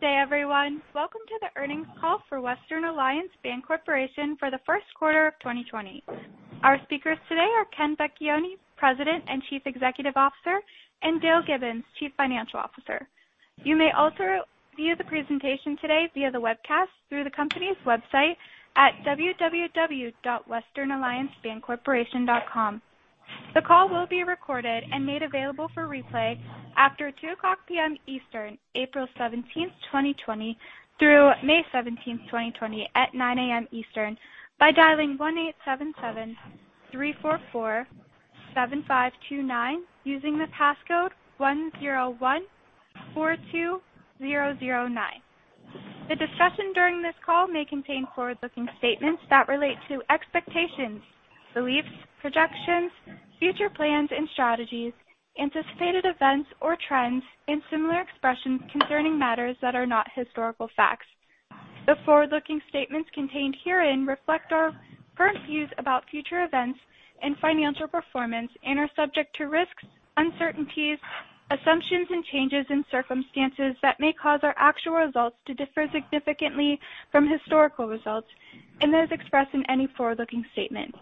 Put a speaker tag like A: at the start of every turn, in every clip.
A: Good day, everyone. Welcome to the Earnings Call for Western Alliance Bancorporation for the First Quarter of 2020. Our speakers today are Ken Vecchione, President and Chief Executive Officer, and Dale Gibbons, Chief Financial Officer. You may also view the presentation today via the webcast through the company's website at www.westernalliancebancorporation.com. The call will be recorded and made available for replay after 2:00 P.M. Eastern, April 17th, 2020 through May 17th, 2020 at 9:00 A.M. Eastern by dialing 1-877-344-7529 using the passcode 10142009. The discussion during this call may contain forward-looking statements that relate to expectations, beliefs, projections, future plans and strategies, anticipated events or trends, and similar expressions concerning matters that are not historical facts. The forward-looking statements contained herein reflect our current views about future events and financial performance and are subject to risks, uncertainties, assumptions, and changes in circumstances that may cause our actual results to differ significantly from historical results and as expressed in any forward-looking statement.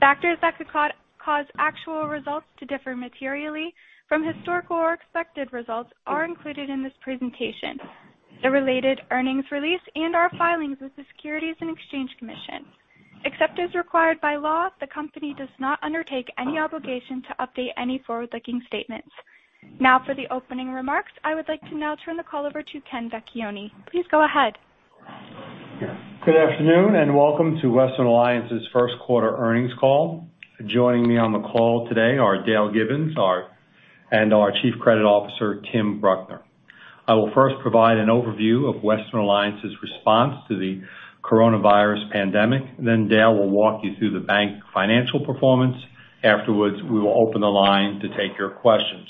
A: Factors that could cause actual results to differ materially from historical or expected results are included in this presentation, the related earnings release, and our filings with the Securities and Exchange Commission. Except as required by law, the company does not undertake any obligation to update any forward-looking statements. Now for the opening remarks, I would like to now turn the call over to Ken Vecchione. Please go ahead.
B: Good afternoon, and welcome to Western Alliance's first quarter earnings call. Joining me on the call today are Dale Gibbons and our Chief Credit Officer, Tim Bruckner. I will first provide an overview of Western Alliance's response to the coronavirus pandemic. Dale will walk you through the bank financial performance. Afterwards, we will open the line to take your questions.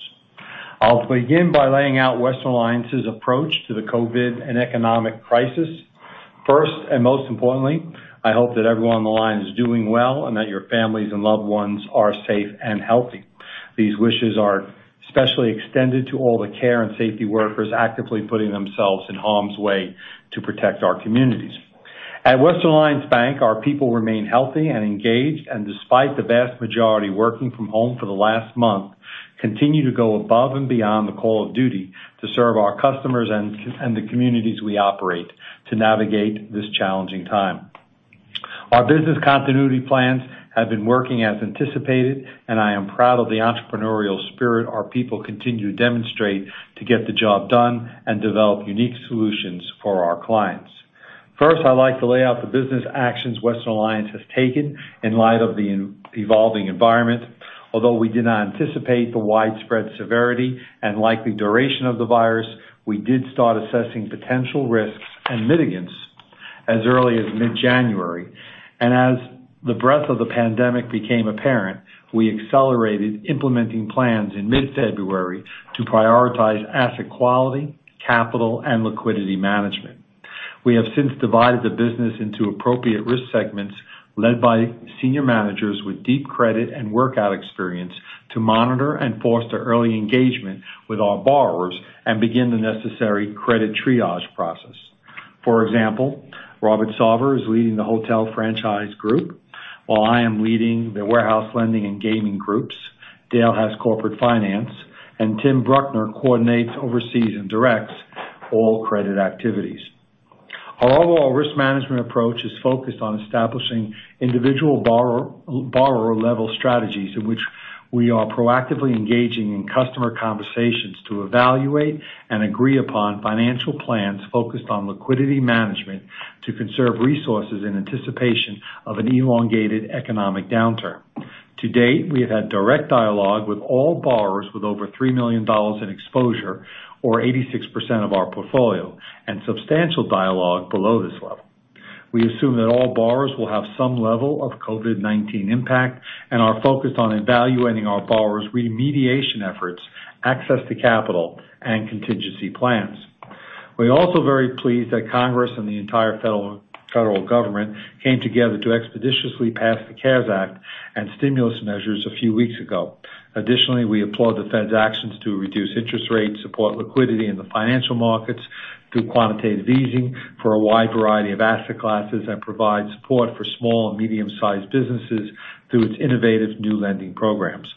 B: I'll begin by laying out Western Alliance's approach to the COVID and economic crisis. First, and most importantly, I hope that everyone on the line is doing well and that your families and loved ones are safe and healthy. These wishes are especially extended to all the care and safety workers actively putting themselves in harm's way to protect our communities. At Western Alliance Bank, our people remain healthy and engaged, and despite the vast majority working from home for the last month, continue to go above and beyond the call of duty to serve our customers and the communities we operate to navigate this challenging time. Our business continuity plans have been working as anticipated, and I am proud of the entrepreneurial spirit our people continue to demonstrate to get the job done and develop unique solutions for our clients. First, I'd like to lay out the business actions Western Alliance has taken in light of the evolving environment. Although we did not anticipate the widespread severity and likely duration of the virus, we did start assessing potential risks and mitigants as early as mid-January. As the breadth of the pandemic became apparent, we accelerated implementing plans in mid-February to prioritize asset quality, capital, and liquidity management. We have since divided the business into appropriate risk segments led by senior managers with deep credit and workout experience to monitor and foster early engagement with our borrowers and begin the necessary credit triage process. For example, Robert Sarver is leading the hotel franchise group, while I am leading the warehouse lending and gaming groups. Dale has corporate finance, and Tim Bruckner coordinates, oversees, and directs all credit activities. Our overall risk management approach is focused on establishing individual borrower-level strategies in which we are proactively engaging in customer conversations to evaluate and agree upon financial plans focused on liquidity management to conserve resources in anticipation of an elongated economic downturn. To date, we have had direct dialogue with all borrowers with over $3 million in exposure or 86% of our portfolio, and substantial dialogue below this level. We assume that all borrowers will have some level of COVID-19 impact and are focused on evaluating our borrowers' remediation efforts, access to capital, and contingency plans. We're also very pleased that Congress and the entire federal government came together to expeditiously pass the CARES Act and stimulus measures a few weeks ago. Additionally, we applaud the Fed's actions to reduce interest rates, support liquidity in the financial markets through quantitative easing for a wide variety of asset classes, and provide support for small and medium-sized businesses through its innovative new lending programs.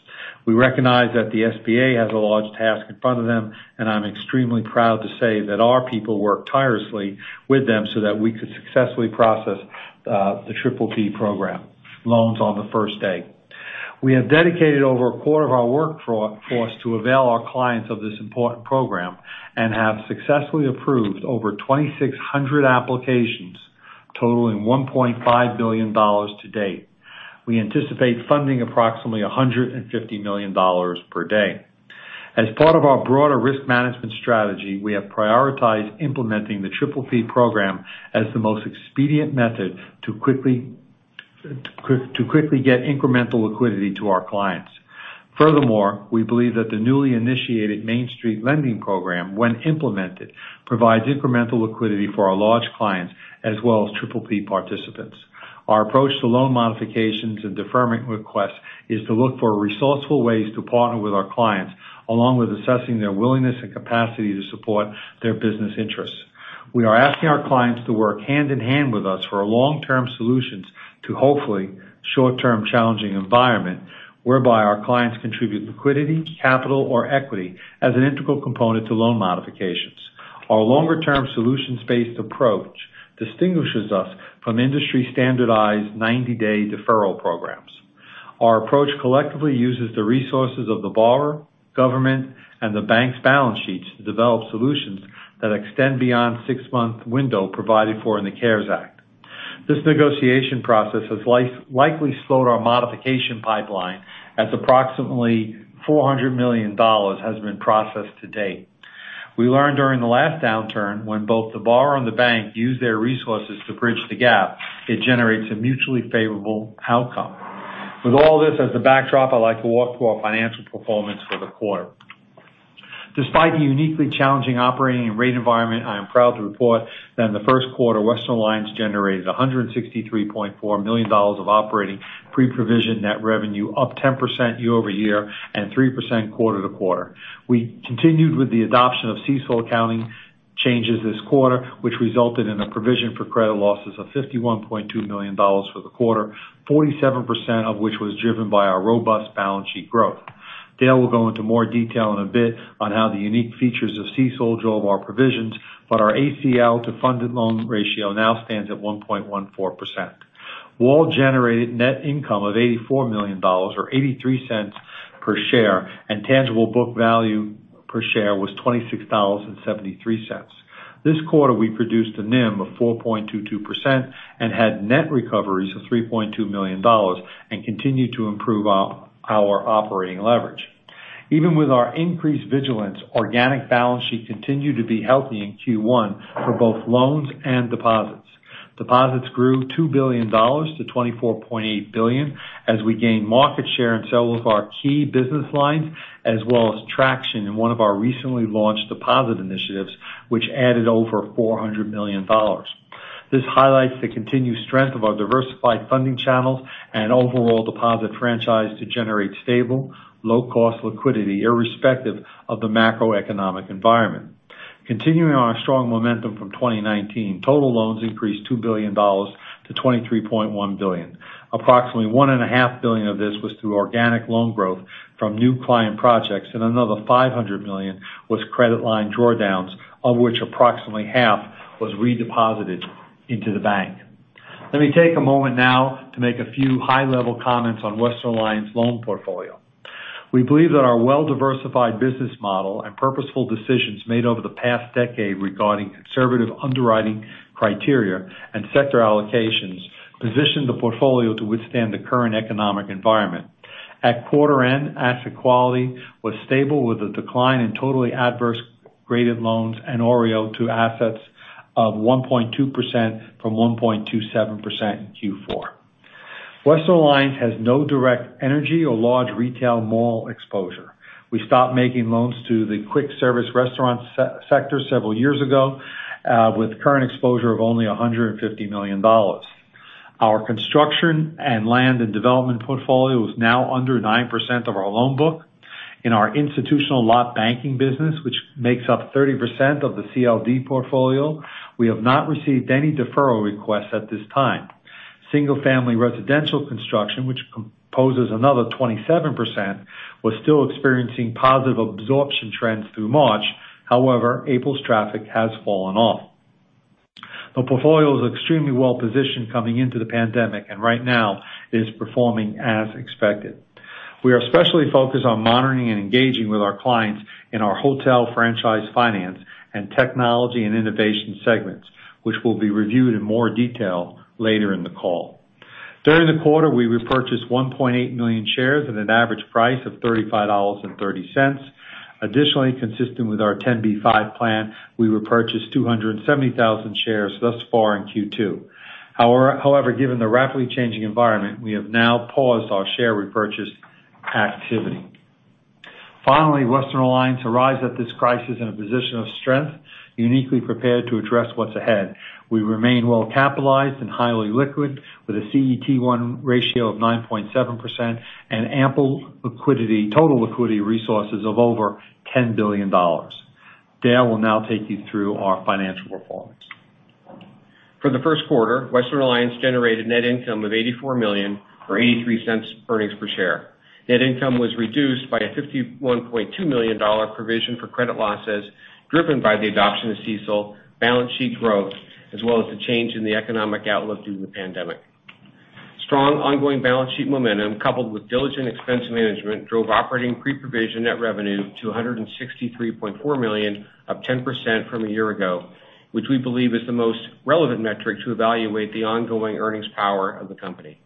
B: We recognize that the SBA has a large task in front of them, and I'm extremely proud to say that our people worked tirelessly with them so that we could successfully process the PPP program loans on the first day. We have dedicated over a quarter of our workforce to avail our clients of this important program and have successfully approved over 2,600 applications totaling $1.5 billion to date. We anticipate funding approximately $150 million per day. As part of our broader risk management strategy, we have prioritized implementing the PPP program as the most expedient method to quickly get incremental liquidity to our clients. Furthermore, we believe that the newly initiated Main Street Lending Program, when implemented, provides incremental liquidity for our large clients as well as PPP participants. Our approach to loan modifications and deferment requests is to look for resourceful ways to partner with our clients, along with assessing their willingness and capacity to support their business interests. We are asking our clients to work hand in hand with us for long-term solutions to hopefully short-term challenging environment, whereby our clients contribute liquidity, capital or equity as an integral component to loan modifications. Our longer-term solutions-based approach distinguishes us from industry-standardized 90-day deferral programs. Our approach collectively uses the resources of the borrower, government, and the bank's balance sheets to develop solutions that extend beyond six-month window provided for in the CARES Act. This negotiation process has likely slowed our modification pipeline, as approximately $400 million has been processed to date. We learned during the last downturn when both the borrower and the bank used their resources to bridge the gap, it generates a mutually favorable outcome. With all this as the backdrop, I'd like to walk through our financial performance for the quarter. Despite the uniquely challenging operating and rate environment, I am proud to report that in the first quarter, Western Alliance generated $163.4 million of operating pre-provision net revenue, up 10% year-over-year and 3% quarter-to-quarter. We continued with the adoption of CECL accounting changes this quarter, which resulted in a provision for credit losses of $51.2 million for the quarter, 47% of which was driven by our robust balance sheet growth. Dale will go into more detail in a bit on how the unique features of CECL drove our provisions, but our ACL to funded loan ratio now stands at 1.14%. Western Alliance generated net income of $84 million or $0.83 per share, and tangible book value per share was $26.73. This quarter, we produced a NIM of 4.22% and had net recoveries of $3.2 million and continued to improve our operating leverage. Even with our increased vigilance, organic balance sheet continued to be healthy in Q1 for both loans and deposits. Deposits grew $2 billion to $24.8 billion as we gained market share in several of our key business lines, as well as traction in one of our recently launched deposit initiatives, which added over $400 million. This highlights the continued strength of our diversified funding channels and overall deposit franchise to generate stable, low-cost liquidity irrespective of the macroeconomic environment. Continuing our strong momentum from 2019, total loans increased $2 billion to $23.1 billion. Approximately $1.5 billion of this was through organic loan growth from new client projects, and another $500 million was credit line drawdowns, of which approximately half was redeposited into the bank. Let me take a moment now to make a few high-level comments on Western Alliance loan portfolio. We believe that our well-diversified business model and purposeful decisions made over the past decade regarding conservative underwriting criteria and sector allocations position the portfolio to withstand the current economic environment. At quarter end, asset quality was stable with a decline in totally adverse graded loans and OREO to assets of 1.2% from 1.27% in Q4. Western Alliance has no direct energy or large retail mall exposure. We stopped making loans to the quick service restaurant sector several years ago, with current exposure of only $150 million. Our construction and land and development portfolio is now under 9% of our loan book. In our institutional lot banking business, which makes up 30% of the CLD portfolio, we have not received any deferral requests at this time. Single-family residential construction, which composes another 27%, was still experiencing positive absorption trends through March. However, April's traffic has fallen off. The portfolio is extremely well-positioned coming into the pandemic, and right now is performing as expected. We are especially focused on monitoring and engaging with our clients in our hotel franchise finance and technology and innovation segments, which will be reviewed in more detail later in the call. During the quarter, we repurchased 1.8 million shares at an average price of $35.30. Additionally, consistent with our 10b5-1 plan, we repurchased 270,000 shares thus far in Q2. However, given the rapidly changing environment, we have now paused our share repurchase activity. Finally, Western Alliance arrives at this crisis in a position of strength, uniquely prepared to address what's ahead. We remain well-capitalized and highly liquid with a CET1 ratio of 9.7% and ample total liquidity resources of over $10 billion. Dale will now take you through our financial performance.
C: For the first quarter, Western Alliance generated net income of $84 million, or $0.83 earnings per share. Net income was reduced by a $51.2 million provision for credit losses driven by the adoption of CECL, balance sheet growth, as well as the change in the economic outlook due to the pandemic. Strong ongoing balance sheet momentum coupled with diligent expense management drove operating pre-provision net revenue to $163.4 million, up 10% from a year ago, which we believe is the most relevant metric to evaluate the ongoing earnings power of the company.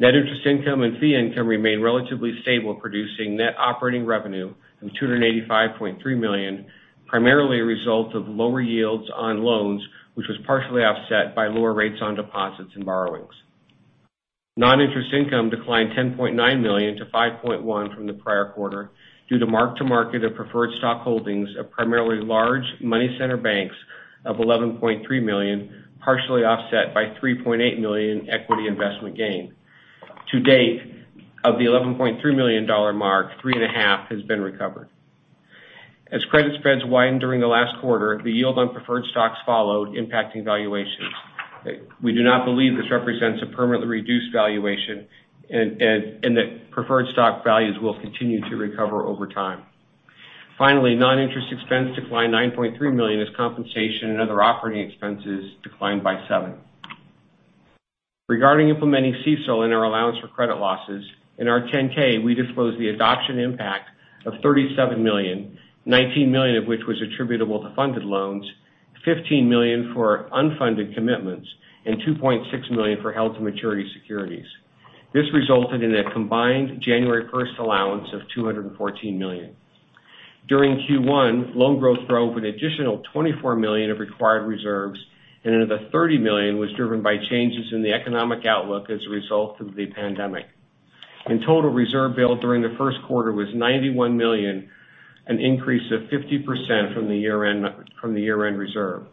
C: Net interest income and fee income remained relatively stable, producing net operating revenue from $285.3 million primarily a result of lower yields on loans, which was partially offset by lower rates on deposits and borrowings. Non-interest income declined $10.9 million to $5.1 from the prior quarter due to mark-to-market of preferred stock holdings of primarily large money center banks of $11.3 million, partially offset by $3.8 million in equity investment gain. To date, of the $11.3 million mark, $3.5 has been recovered. As credit spreads widened during the last quarter, the yield on preferred stocks followed, impacting valuations. We do not believe this represents a permanently reduced valuation, and that preferred stock values will continue to recover over time. Finally, non-interest expense declined $9.3 million as compensation and other operating expenses declined by $7. Regarding implementing CECL in our allowance for credit losses, in our 10-K, we disclosed the adoption impact of $37 million, $19 million of which was attributable to funded loans, $15 million for unfunded commitments, and $2.6 million for held-to-maturity securities. This resulted in a combined January 1st allowance of $214 million. During Q1, loan growth drove an additional $24 million of required reserves and another $30 million was driven by changes in the economic outlook as a result of the pandemic. In total, reserve build during the first quarter was $91 million, an increase of 50% from the year-end reserve.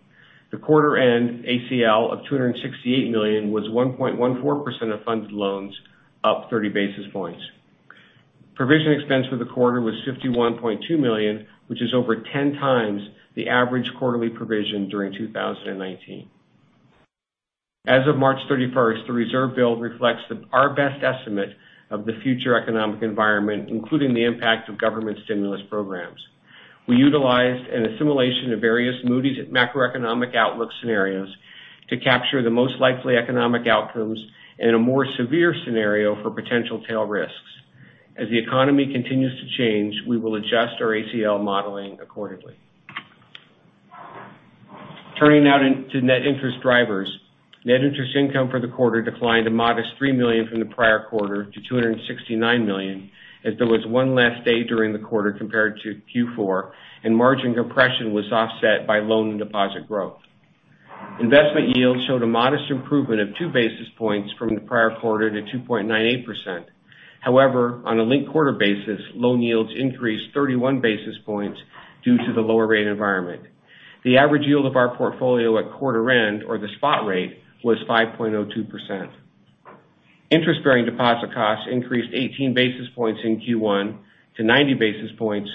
C: The quarter-end ACL of $268 million was 1.14% of funded loans, up 30 basis points. Provision expense for the quarter was $51.2 million, which is over 10 times the average quarterly provision during 2019. As of March 31st, the reserve build reflects our best estimate of the future economic environment, including the impact of government stimulus programs. We utilized a simulation of various Moody's macroeconomic outlook scenarios to capture the most likely economic outcomes in a more severe scenario for potential tail risks. As the economy continues to change, we will adjust our ACL modeling accordingly. Turning now to net interest drivers. Net interest income for the quarter declined a modest $3 million from the prior quarter to $269 million, as there was one less day during the quarter compared to Q4, and margin compression was offset by loan and deposit growth. Investment yield showed a modest improvement of two basis points from the prior quarter to 2.98%. On a linked quarter basis, loan yields increased 31 basis points due to the lower rate environment. The average yield of our portfolio at quarter end, or the spot rate, was 5.02%. Interest-bearing deposit costs increased 18 basis points in Q1 to 90 basis points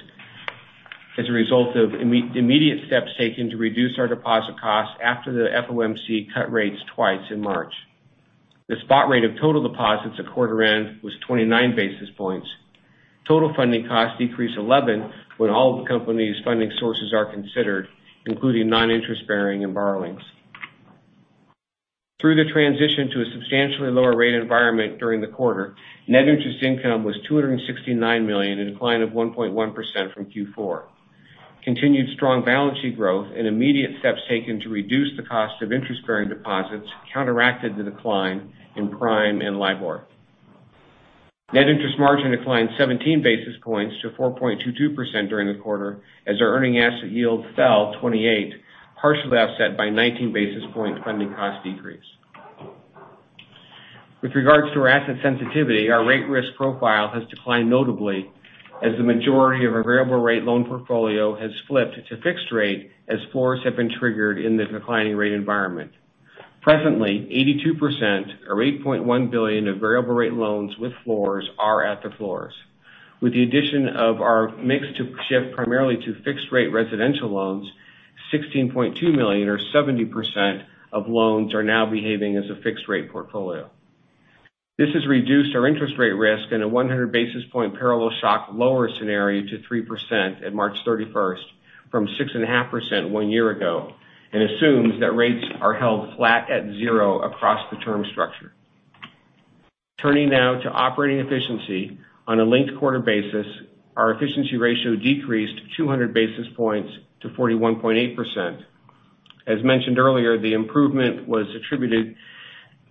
C: as a result of immediate steps taken to reduce our deposit costs after the FOMC cut rates twice in March. The spot rate of total deposits at quarter end was 29 basis points. Total funding costs decreased 11 when all of the company's funding sources are considered, including non-interest bearing and borrowings. Through the transition to a substantially lower rate environment during the quarter, net interest income was $269 million, a decline of 1.1% from Q4. Continued strong balance sheet growth and immediate steps taken to reduce the cost of interest-bearing deposits counteracted the decline in prime and LIBOR. Net interest margin declined 17 basis points to 4.22% during the quarter, as our earning asset yield fell 28, partially offset by 19 basis point funding cost decrease. With regards to our asset sensitivity, our rate risk profile has declined notably as the majority of our variable rate loan portfolio has flipped to fixed rate as floors have been triggered in the declining rate environment. Presently, 82%, or $8.1 billion of variable rate loans with floors are at the floors. With the addition of our mix to shift primarily to fixed rate residential loans, $16.2 billion or 70% of loans are now behaving as a fixed rate portfolio. This has reduced our interest rate risk in a 100 basis point parallel shock lower scenario to 3% at March 31st from 6.5% one year ago and assumes that rates are held flat at zero across the term structure. Turning now to operating efficiency. On a linked quarter basis, our efficiency ratio decreased 200 basis points to 41.8%. As mentioned earlier, the improvement was attributed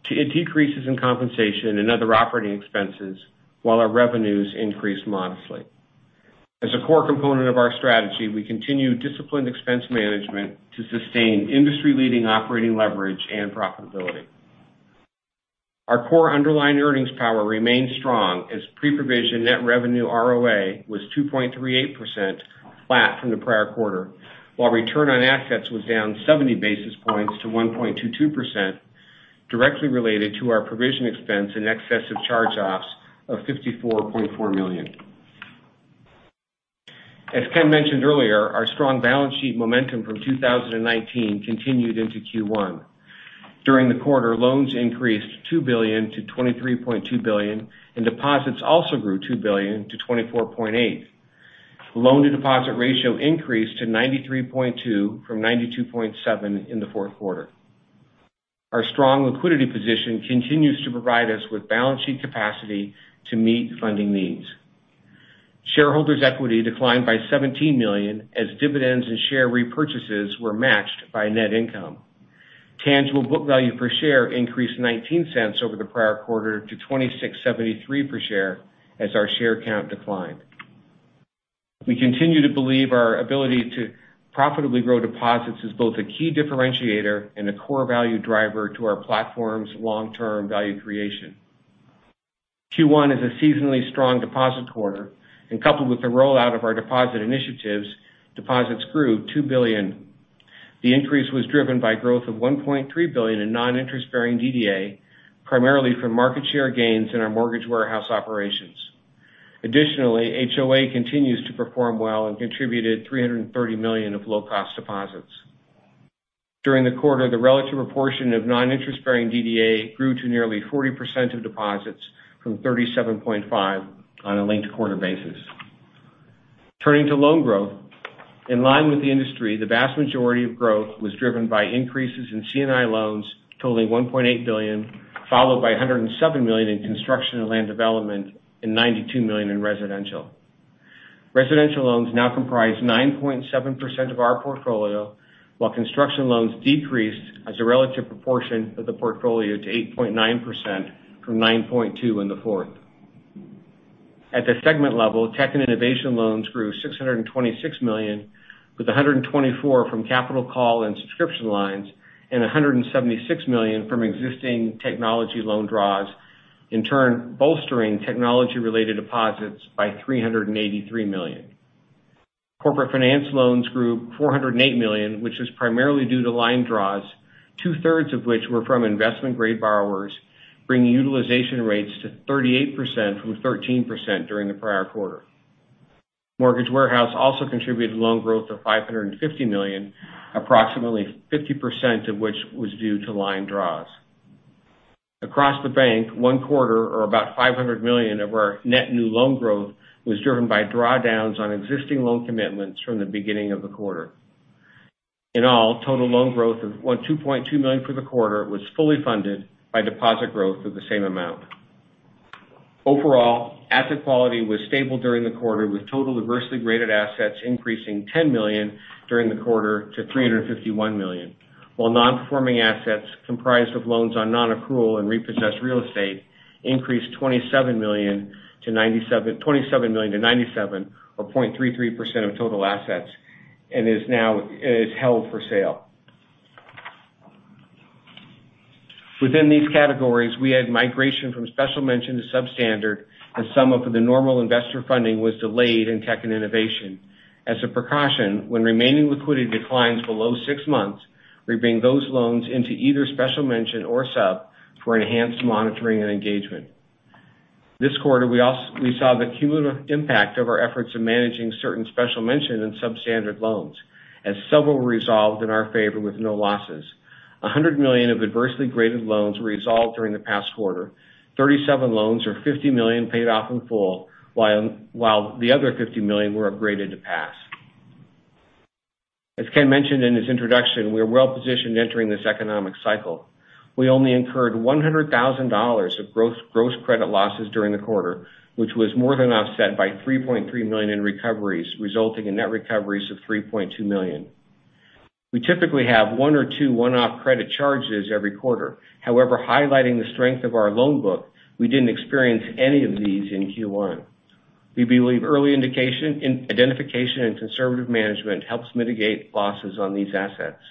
C: to decreases in compensation and other operating expenses while our revenues increased modestly. As a core component of our strategy, we continue disciplined expense management to sustain industry-leading operating leverage and profitability. Our core underlying earnings power remains strong as pre-provision net revenue ROA was 2.38%, flat from the prior quarter, while return on assets was down 70 basis points to 1.22%, directly related to our provision expense in excess of charge-offs of $54.4 million. As Ken mentioned earlier, our strong balance sheet momentum from 2019 continued into Q1. During the quarter, loans increased $2 billion to $23.2 billion, and deposits also grew $2 billion to $24.8 billion. Loan-to-deposit ratio increased to 93.2% from 92.7% in the fourth quarter. Our strong liquidity position continues to provide us with balance sheet capacity to meet funding needs. Shareholders' equity declined by $17 million as dividends and share repurchases were matched by net income. Tangible book value per share increased $0.19 over the prior quarter to $26.73 per share as our share count declined. We continue to believe our ability to profitably grow deposits is both a key differentiator and a core value driver to our platform's long-term value creation. Q1 is a seasonally strong deposit quarter, and coupled with the rollout of our deposit initiatives, deposits grew $2 billion. The increase was driven by growth of $1.3 billion in non-interest bearing DDA, primarily from market share gains in our mortgage warehouse operations. Additionally, HOA continues to perform well and contributed $330 million of low-cost deposits. During the quarter, the relative proportion of non-interest bearing DDA grew to nearly 40% of deposits from 37.5% on a linked quarter basis. Turning to loan growth, in line with the industry, the vast majority of growth was driven by increases in C&I loans totaling $1.8 billion, followed by $107 million in construction and land development, and $92 million in residential. Residential loans now comprise 9.7% of our portfolio, while construction loans decreased as a relative proportion of the portfolio to 8.9% from 9.2% in the fourth. At the segment level, Tech & Innovation loans grew $626 million with $124 million from capital call and subscription lines, and $176 million from existing technology loan draws. In turn, bolstering technology-related deposits by $383 million. Corporate finance loans grew $408 million, which is primarily due to line draws, two-thirds of which were from investment-grade borrowers, bringing utilization rates to 38% from 13% during the prior quarter. Mortgage Warehouse also contributed loan growth of $550 million, approximately 50% of which was due to line draws. Across the bank, one quarter or about $500 million of our net new loan growth was driven by drawdowns on existing loan commitments from the beginning of the quarter. In all, total loan growth of $2.2 billion for the quarter was fully funded by deposit growth of the same amount. Overall, asset quality was stable during the quarter, with total adversely rated assets increasing $10 million during the quarter to $351 million. While non-performing assets comprised of loans on non-accrual and repossessed real estate increased $27 million to $97, or 0.33% of total assets and is held for sale. Within these categories, we had migration from special mention to substandard as some of the normal investor funding was delayed in Tech & Innovation. As a precaution, when remaining liquidity declines below six months, we bring those loans into either special mention or sub for enhanced monitoring and engagement. This quarter, we saw the cumulative impact of our efforts in managing certain special mention and substandard loans, as several were resolved in our favor with no losses. $100 million of adversely graded loans were resolved during the past quarter. 37 loans or $50 million paid off in full, while the other $50 million were upgraded to pass. As Ken mentioned in his introduction, we're well-positioned entering this economic cycle. We only incurred $100,000 of gross credit losses during the quarter, which was more than offset by $3.3 million in recoveries, resulting in net recoveries of $3.2 million. We typically have one or two one-off credit charges every quarter. Highlighting the strength of our loan book, we didn't experience any of these in Q1. We believe early identification and conservative management helps mitigate losses on these assets.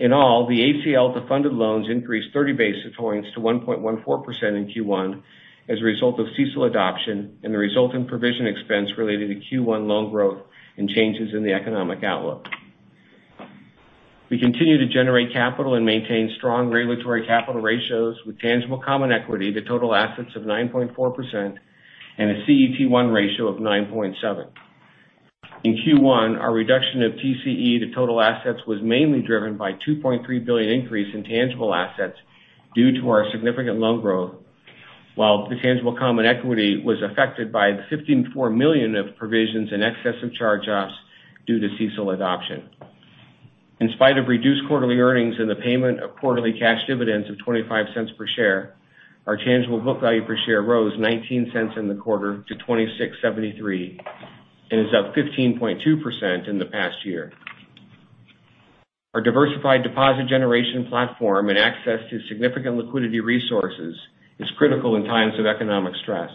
C: In all, the ACL to funded loans increased 30 basis points to 1.14% in Q1 as a result of CECL adoption and the resulting provision expense related to Q1 loan growth and changes in the economic outlook. We continue to generate capital and maintain strong regulatory capital ratios with tangible common equity to total assets of 9.4% and a CET1 ratio of 9.7%. In Q1, our reduction of TCE to total assets was mainly driven by $2.3 billion increase in tangible assets due to our significant loan growth, while the tangible common equity was affected by the $15.4 million of provisions in excess of charge-offs due to CECL adoption. In spite of reduced quarterly earnings and the payment of quarterly cash dividends of $0.25 per share, our tangible book value per share rose $0.19 in the quarter to $26.73, and is up 15.2% in the past year. Our diversified deposit generation platform and access to significant liquidity resources is critical in times of economic stress.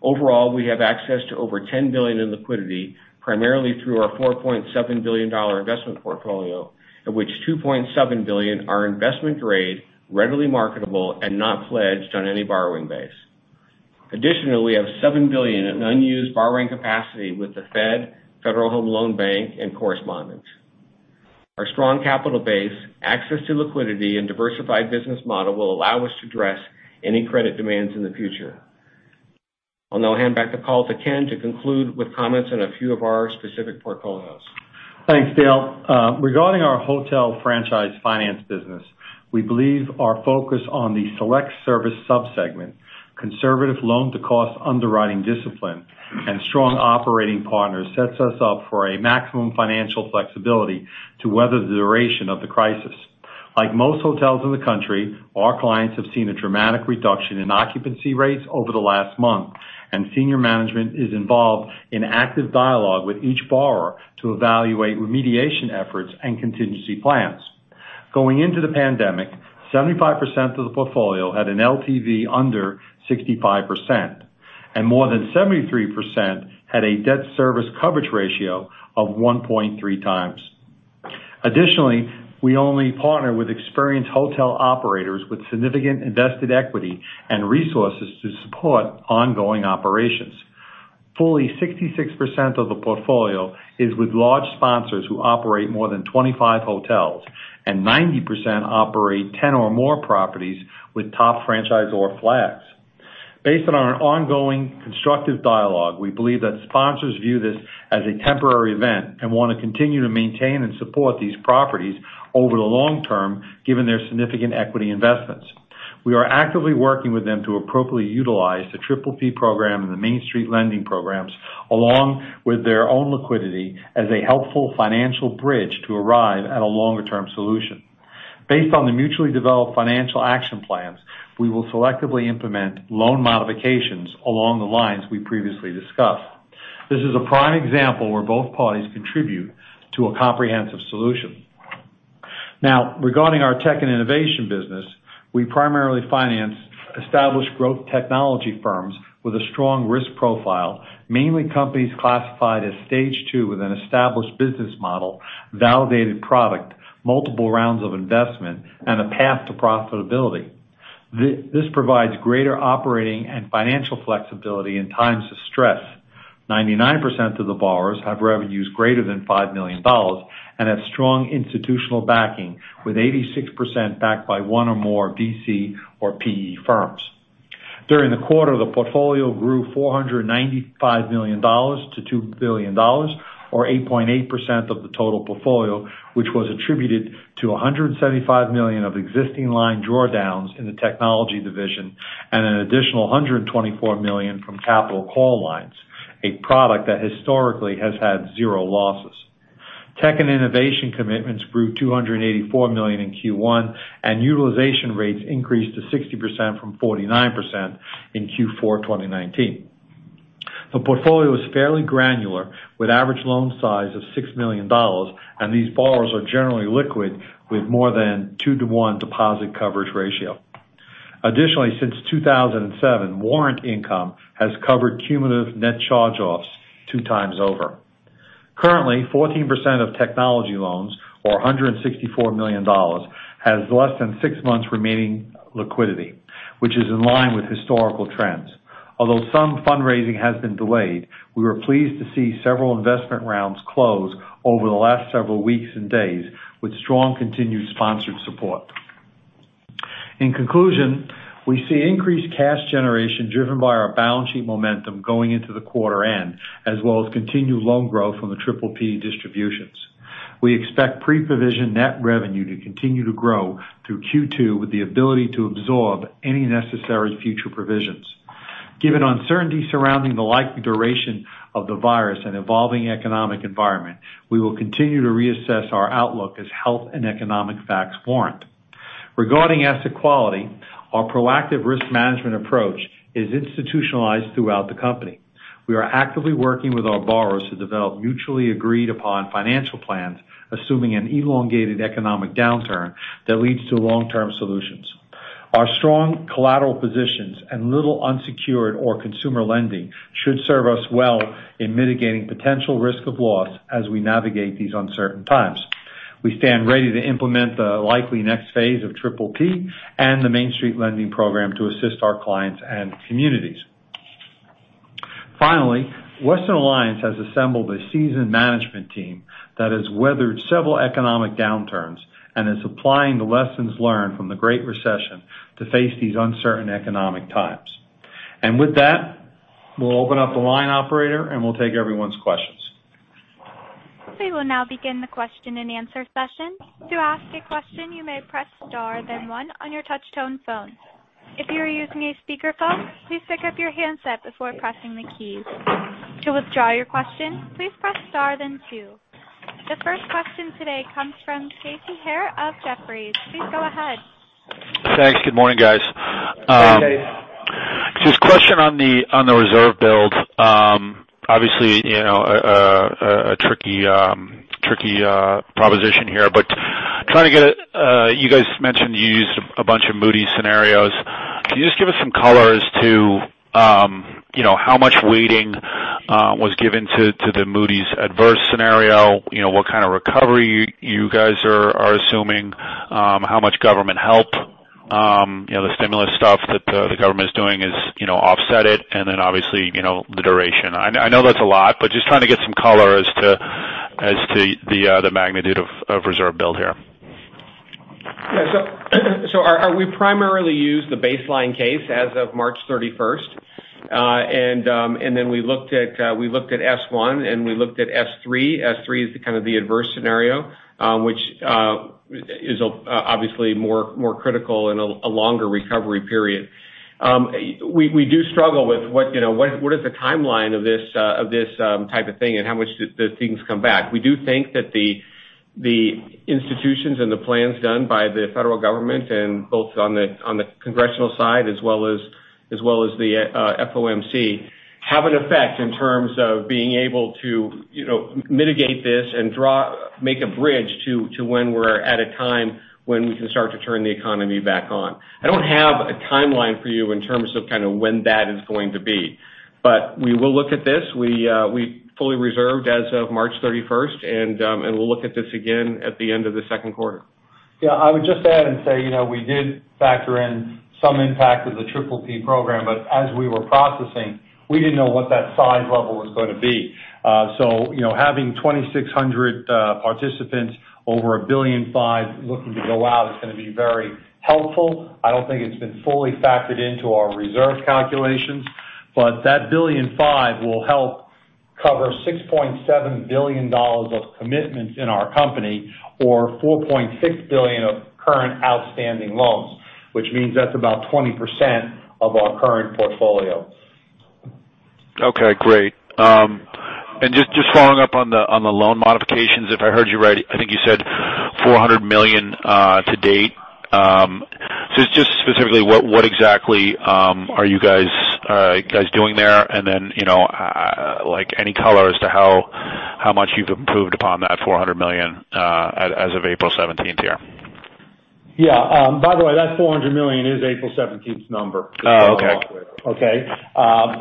C: Overall, we have access to over $10 billion in liquidity, primarily through our $4.7 billion investment portfolio, of which $2.7 billion are investment-grade, readily marketable, and not pledged on any borrowing base. Additionally, we have $7 billion in unused borrowing capacity with the Fed, Federal Home Loan Bank, and correspondents. Our strong capital base, access to liquidity, and diversified business model will allow us to address any credit demands in the future. I'll now hand back the call to Ken to conclude with comments on a few of our specific portfolios.
B: Thanks, Dale. Regarding our hotel franchise finance business, we believe our focus on the select service sub-segment, conservative loan-to-cost underwriting discipline, and strong operating partners sets us up for maximum financial flexibility to weather the duration of the crisis. Like most hotels in the country, our clients have seen a dramatic reduction in occupancy rates over the last month, and senior management is involved in active dialogue with each borrower to evaluate remediation efforts and contingency plans. Going into the pandemic, 75% of the portfolio had an LTV under 65%, and more than 73% had a debt service coverage ratio of 1.3 times. Additionally, we only partner with experienced hotel operators with significant invested equity and resources to support ongoing operations. Fully 66% of the portfolio is with large sponsors who operate more than 25 hotels, and 90% operate 10 or more properties with top franchise or flags. Based on our ongoing constructive dialogue, we believe that sponsors view this as a temporary event and want to continue to maintain and support these properties over the long term, given their significant equity investments. We are actively working with them to appropriately utilize the PPP program and the Main Street Lending Programs, along with their own liquidity as a helpful financial bridge to arrive at a longer-term solution. Based on the mutually developed financial action plans, we will selectively implement loan modifications along the lines we previously discussed. This is a prime example where both parties contribute to a comprehensive solution. Now, regarding our Tech & Innovation business, we primarily finance established growth technology firms with a strong risk profile, mainly companies classified as stage two with an established business model, validated product, multiple rounds of investment, and a path to profitability. This provides greater operating and financial flexibility in times of stress. 99% of the borrowers have revenues greater than $5 million and have strong institutional backing, with 86% backed by one or more VC or PE firms. During the quarter, the portfolio grew $495 million to $2 billion, or 8.8% of the total portfolio, which was attributed to $175 million of existing line drawdowns in the technology division and an additional $124 million from capital call lines, a product that historically has had zero losses. Tech and innovation commitments grew $284 million in Q1, and utilization rates increased to 60% from 49% in Q4 2019. The portfolio is fairly granular, with average loan size of $6 million, and these borrowers are generally liquid, with more than two-to-one deposit coverage ratio. Additionally, since 2007, warrant income has covered cumulative net charge-offs two times over. Currently, 14% of technology loans, or $164 million, has less than six months remaining liquidity, which is in line with historical trends. Although some fundraising has been delayed, we were pleased to see several investment rounds close over the last several weeks and days with strong continued sponsored support. In conclusion, we see increased cash generation driven by our balance sheet momentum going into the quarter end, as well as continued loan growth from the PPP distributions. We expect pre-provision net revenue to continue to grow through Q2 with the ability to absorb any necessary future provisions. Given uncertainty surrounding the likely duration of the virus and evolving economic environment, we will continue to reassess our outlook as health and economic facts warrant. Regarding asset quality, our proactive risk management approach is institutionalized throughout the company. We are actively working with our borrowers to develop mutually agreed-upon financial plans, assuming an elongated economic downturn that leads to long-term solutions. Our strong collateral positions and little unsecured or consumer lending should serve us well in mitigating potential risk of loss as we navigate these uncertain times. We stand ready to implement the likely next phase of PPP and the Main Street Lending Program to assist our clients and communities. Finally, Western Alliance has assembled a seasoned management team that has weathered several economic downturns and is applying the lessons learned from the Great Recession to face these uncertain economic times. With that, we'll open up the line, operator, and we'll take everyone's questions.
A: We will now begin the question and answer session. To ask a question, you may press star, then one on your touch-tone phone. If you are using a speakerphone, please pick up your handset before pressing the keys. To withdraw your question, please press star, then two. The first question today comes from Casey Haire of Jefferies. Please go ahead.
D: Thanks. Good morning, guys.
B: Hey, Casey.
D: Just a question on the reserve build. Obviously, a tricky proposition here, but you guys mentioned you used a bunch of Moody's scenarios. Can you just give us some color as to how much weighting was given to the Moody's adverse scenario? What kind of recovery you guys are assuming? How much government help, the stimulus stuff that the government is doing is offset it? Obviously, the duration. I know that's a lot, but just trying to get some color as to the magnitude of reserve build here.
B: We primarily use the baseline case as of March 31st. Then we looked at S1 and we looked at S3. S3 is kind of the adverse scenario, which is obviously more critical and a longer recovery period. We do struggle with what is the timeline of this type of thing, and how much do things come back? We do think that the institutions and the plans done by the Federal Government, both on the Congressional side as well as the FOMC have an effect in terms of being able to mitigate this and make a bridge to when we're at a time when we can start to turn the economy back on. I don't have a timeline for you in terms of when that is going to be. We will look at this. We fully reserved as of March 31st, and we'll look at this again at the end of the second quarter.
C: I would just add and say, we did factor in some impact with the PPP program, but as we were processing, we didn't know what that size level was going to be. Having 2,600 participants over $1.5 billion looking to go out is going to be very helpful. I don't think it's been fully factored into our reserve calculations, but that $1.5 billion will help cover $6.7 billion of commitments in our company or $4.6 billion of current outstanding loans, which means that's about 20% of our current portfolio.
D: Okay, great. Just following up on the loan modifications, if I heard you right, I think you said $400 million to date. Just specifically, what exactly are you guys doing there? Then like any color as to how much you've improved upon that $400 million as of April 17th here?
B: Yeah. By the way, that $400 million is April 17th's number.
D: Oh, okay.
B: Okay.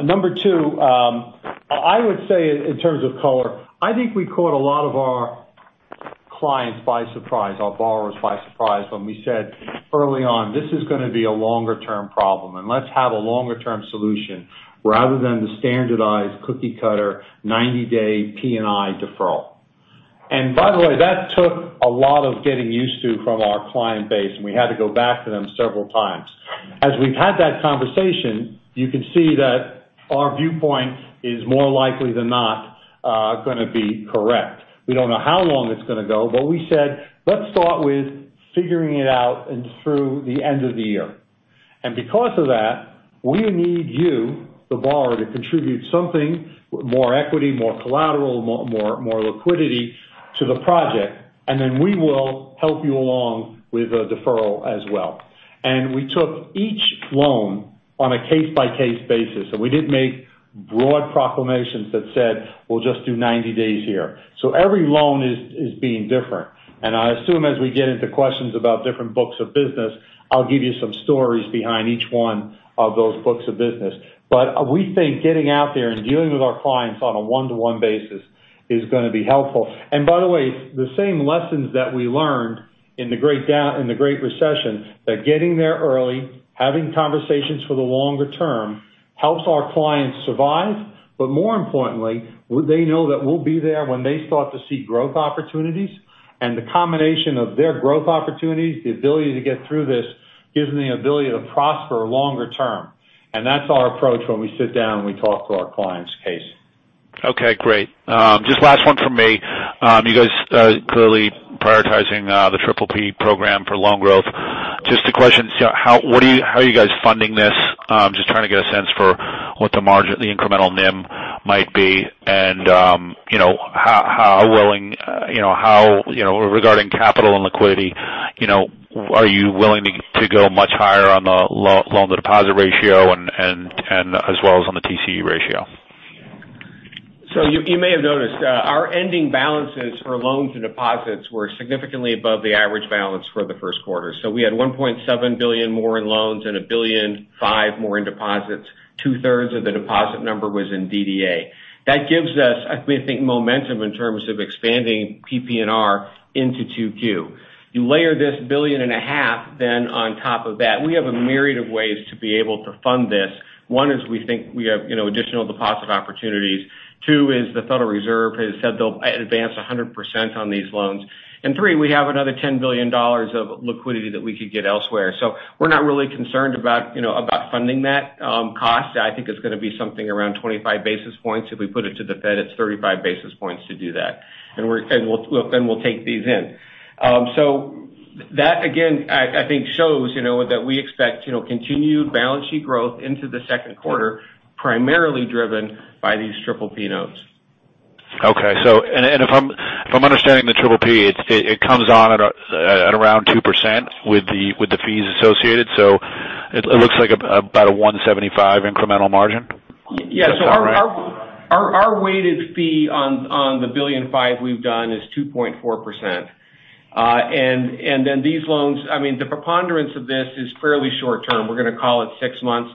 B: Number two, I would say in terms of color, I think we caught a lot of our clients by surprise, our borrowers by surprise when we said early on, this is going to be a longer-term problem, and let's have a longer-term solution rather than the standardized cookie-cutter 90-day P&I deferral. By the way, that took a lot of getting used to from our client base, and we had to go back to them several times. As we've had that conversation, you can see that our viewpoint is more likely than not going to be correct. We don't know how long it's going to go, but we said let's start with figuring it out and through the end of the year. Because of that, we need you, the borrower, to contribute something, more equity, more collateral, more liquidity to the project, we will help you along with a deferral as well. We took each loan on a case-by-case basis. We didn't make broad proclamations that said we'll just do 90 days here. Every loan is being different. I assume as we get into questions about different books of business, I'll give you some stories behind each one of those books of business. We think getting out there and dealing with our clients on a one-to-one basis is going to be helpful. By the way, the same lessons that we learned in the Great Recession, that getting there early, having conversations for the longer term helps our clients survive. More importantly, they know that we'll be there when they start to see growth opportunities. The combination of their growth opportunities, the ability to get through this gives them the ability to prosper longer term. That's our approach when we sit down and we talk to our clients, Casey.
D: Okay, great. Just last one from me. You guys are clearly prioritizing the PPP program for loan growth. Just a question, how are you guys funding this? Just trying to get a sense for what the margin, the incremental NIM might be and regarding capital and liquidity, are you willing to go much higher on the loan-to-deposit ratio and as well as on the TCE ratio?
C: You may have noticed our ending balances for loans and deposits were significantly above the average balance for the first quarter. We had $1.7 billion more in loans and $1.5 billion more in deposits. Two-thirds of the deposit number was in DDA. That gives us, I think, momentum in terms of expanding PPNR into 2Q. You layer this $1.5 billion on top of that. We have a myriad of ways to be able to fund this. One is we think we have additional deposit opportunities. Two is the Federal Reserve has said they'll advance 100% on these loans. Three, we have another $10 billion of liquidity that we could get elsewhere. We're not really concerned about funding that cost. I think it's going to be something around 25 basis points. If we put it to the Fed, it's 35 basis points to do that. We'll take these in. That again, I think, shows that we expect continued balance sheet growth into the second quarter, primarily driven by these PPP notes.
D: Okay. If I'm understanding the PPP, it comes on at around 2% with the fees associated. It looks like about a 175 incremental margin. Is that correct?
C: Yeah. Our weighted fee on the $1.5 billion we've done is 2.4%. These loans, the preponderance of this is fairly short term. We're going to call it six months.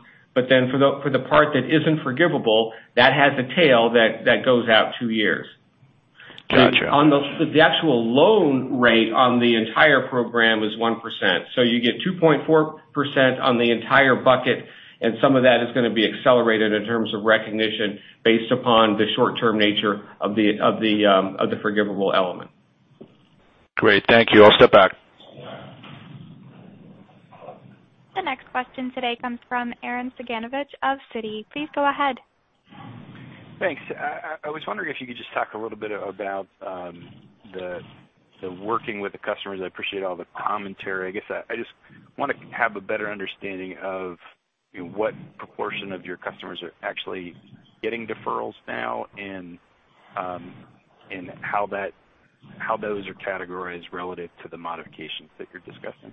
C: For the part that isn't forgivable, that has a tail that goes out two years.
D: Got you.
C: The actual loan rate on the entire program is 1%. You get 2.4% on the entire bucket, and some of that is going to be accelerated in terms of recognition based upon the short-term nature of the forgivable element.
D: Great. Thank you. I'll step back.
A: The next question today comes from Arren Cyganovich of Citi. Please go ahead.
E: Thanks. I was wondering if you could just talk a little bit about the working with the customers? I appreciate all the commentary. I guess I just want to have a better understanding of what proportion of your customers are actually getting deferrals now and how those are categorized relative to the modifications that you're discussing?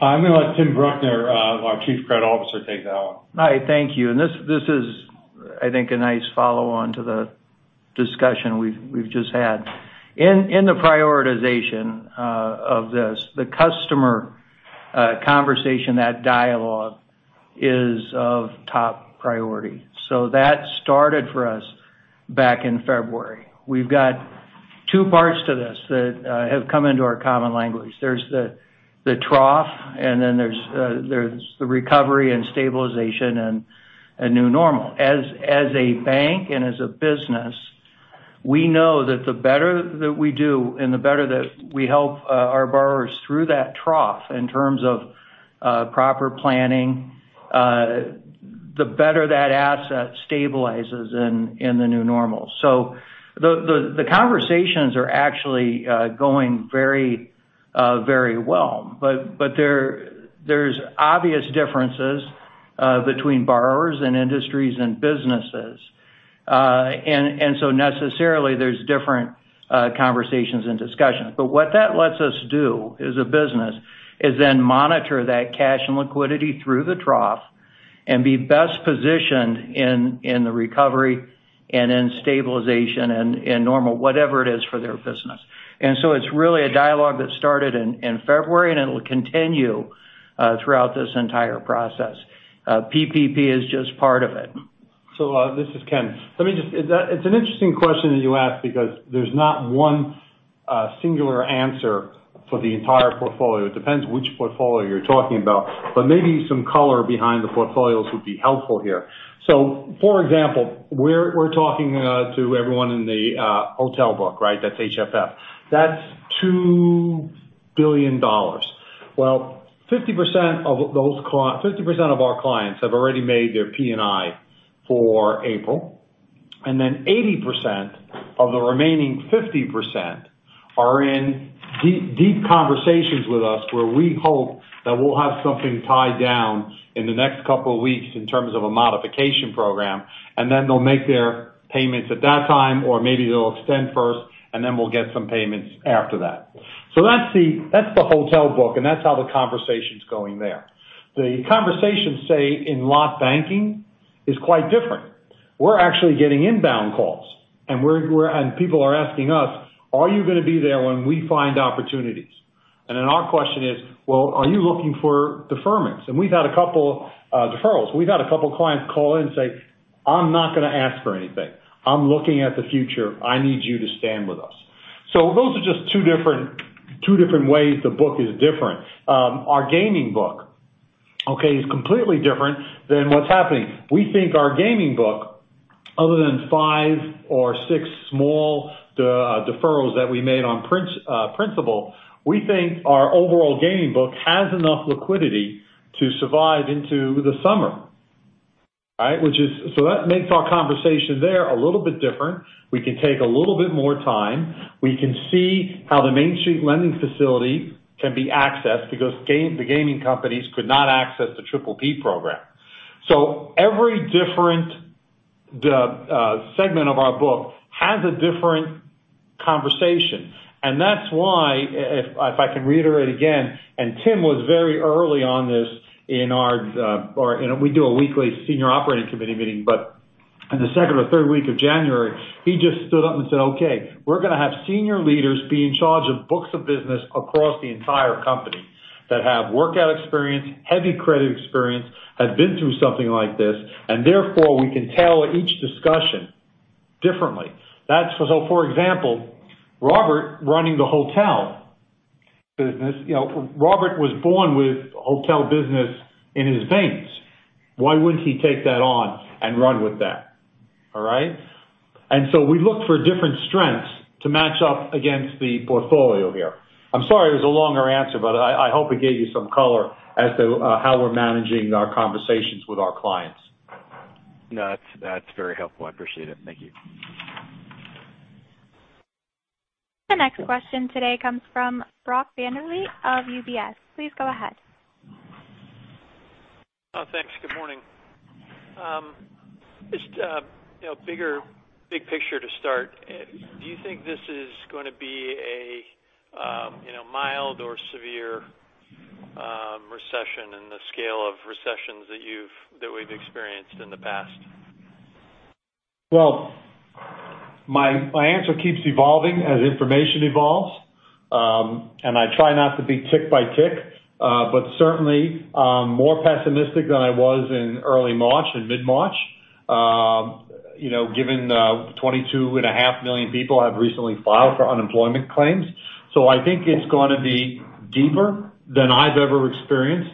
B: I'm going to let Tim Bruckner, our Chief Credit Officer, take that one.
F: All right, thank you. This is, I think, a nice follow-on to the discussion we've just had. In the prioritization of this, the customer conversation, that dialogue is of top priority. That started for us back in February. We've got two parts to this that have come into our common language. There's the trough, and then there's the recovery and stabilization and a new normal. As a bank and as a business, we know that the better that we do and the better that we help our borrowers through that trough in terms of proper planning, the better that asset stabilizes in the new normal. The conversations are actually going very well. There's obvious differences between borrowers and industries and businesses. Necessarily, there's different conversations and discussions. What that lets us do as a business is then monitor that cash and liquidity through the trough and be best positioned in the recovery and in stabilization and in normal, whatever it is for their business. It's really a dialogue that started in February, and it'll continue throughout this entire process. PPP is just part of it.
B: This is Ken. It's an interesting question that you ask because there's not one singular answer for the entire portfolio. Maybe some color behind the portfolios would be helpful here. For example, we're talking to everyone in the hotel book. That's HFF. That's $2 billion. 50% of our clients have already made their P&I for April, 80% of the remaining 50% are in deep conversations with us where we hope that we'll have something tied down in the next couple of weeks in terms of a modification program, they'll make their payments at that time, or maybe they'll extend first, we'll get some payments after that. That's the hotel book, and that's how the conversation's going there. The conversation, say, in lot banking is quite different. We're actually getting inbound calls, and people are asking us, "Are you going to be there when we find opportunities?" Our question is, "Well, are you looking for deferments?" We've had a couple deferrals. We've had a couple of clients call in and say, "I'm not going to ask for anything. I'm looking at the future. I need you to stand with us." Those are just two different ways the book is different. Our gaming book is completely different than what's happening. We think our gaming book, other than five or six small deferrals that we made on principal, we think our overall gaming book has enough liquidity to survive into the summer. That makes our conversation there a little bit different. We can take a little bit more time. We can see how the Main Street Lending Program can be accessed because the gaming companies could not access the PPP program. Every different segment of our book has a different conversation. That's why, if I can reiterate again, Tim was very early on this, we do a weekly senior operating committee meeting. In the second or third week of January, he just stood up and said, "Okay, we're going to have senior leaders be in charge of books of business across the entire company that have workout experience, heavy credit experience, have been through something like this," and therefore, we can tailor each discussion differently. For example, Robert running the hotel business. Robert was born with hotel business in his veins. Why wouldn't he take that on and run with that? All right? We look for different strengths to match up against the portfolio here. I'm sorry it was a longer answer, but I hope it gave you some color as to how we're managing our conversations with our clients.
E: No, that's very helpful. I appreciate it. Thank you.
A: The next question today comes from Brock Vandervliet of UBS. Please go ahead.
G: Oh, thanks. Good morning. Just big picture to start. Do you think this is going to be a mild or severe recession in the scale of recessions that we've experienced in the past?
B: My answer keeps evolving as information evolves. I try not to be tick by tick. Certainly, more pessimistic than I was in early March, in mid-March, given 22.5 million people have recently filed for unemployment claims. I think it's going to be deeper than I've ever experienced.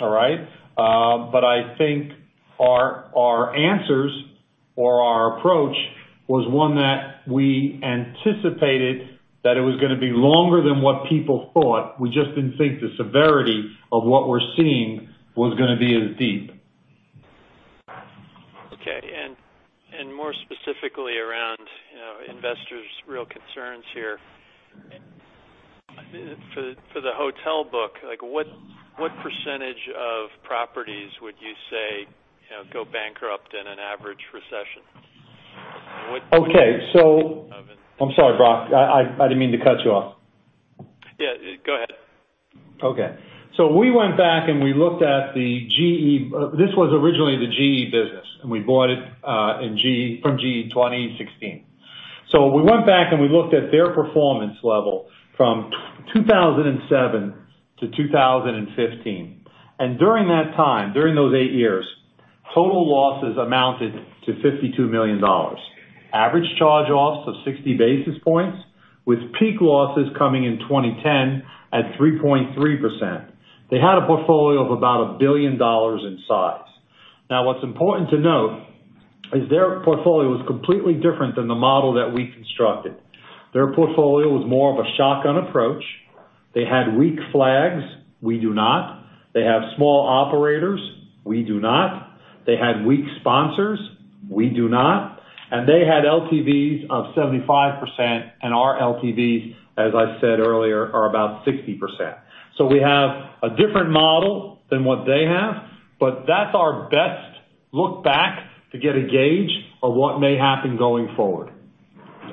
B: All right. I think our answers or our approach was one that we anticipated that it was going to be longer than what people thought. We just didn't think the severity of what we're seeing was going to be as deep.
G: Okay. More specifically around investors' real concerns here. For the hotel book, what percentage of properties would you say go bankrupt in an average recession?
B: Okay. I'm sorry, Brock. I didn't mean to cut you off.
G: Yeah, go ahead.
B: Okay. We went back and we looked at the GE This was originally the GE business, and we bought it from GE in 2016. We went back and we looked at their performance level from 2007 to 2015. During that time, during those eight years, total losses amounted to $52 million. Average charge-offs of 60 basis points, with peak losses coming in 2010 at 3.3%. They had a portfolio of about $1 billion in size. Now, what's important to note is their portfolio was completely different than the model that we constructed. Their portfolio was more of a shotgun approach. They had weak flags. We do not. They have small operators. We do not. They had weak sponsors. We do not. They had LTVs of 75%, and our LTVs, as I said earlier, are about 60%. We have a different model than what they have, but that's our best look back to get a gauge of what may happen going forward.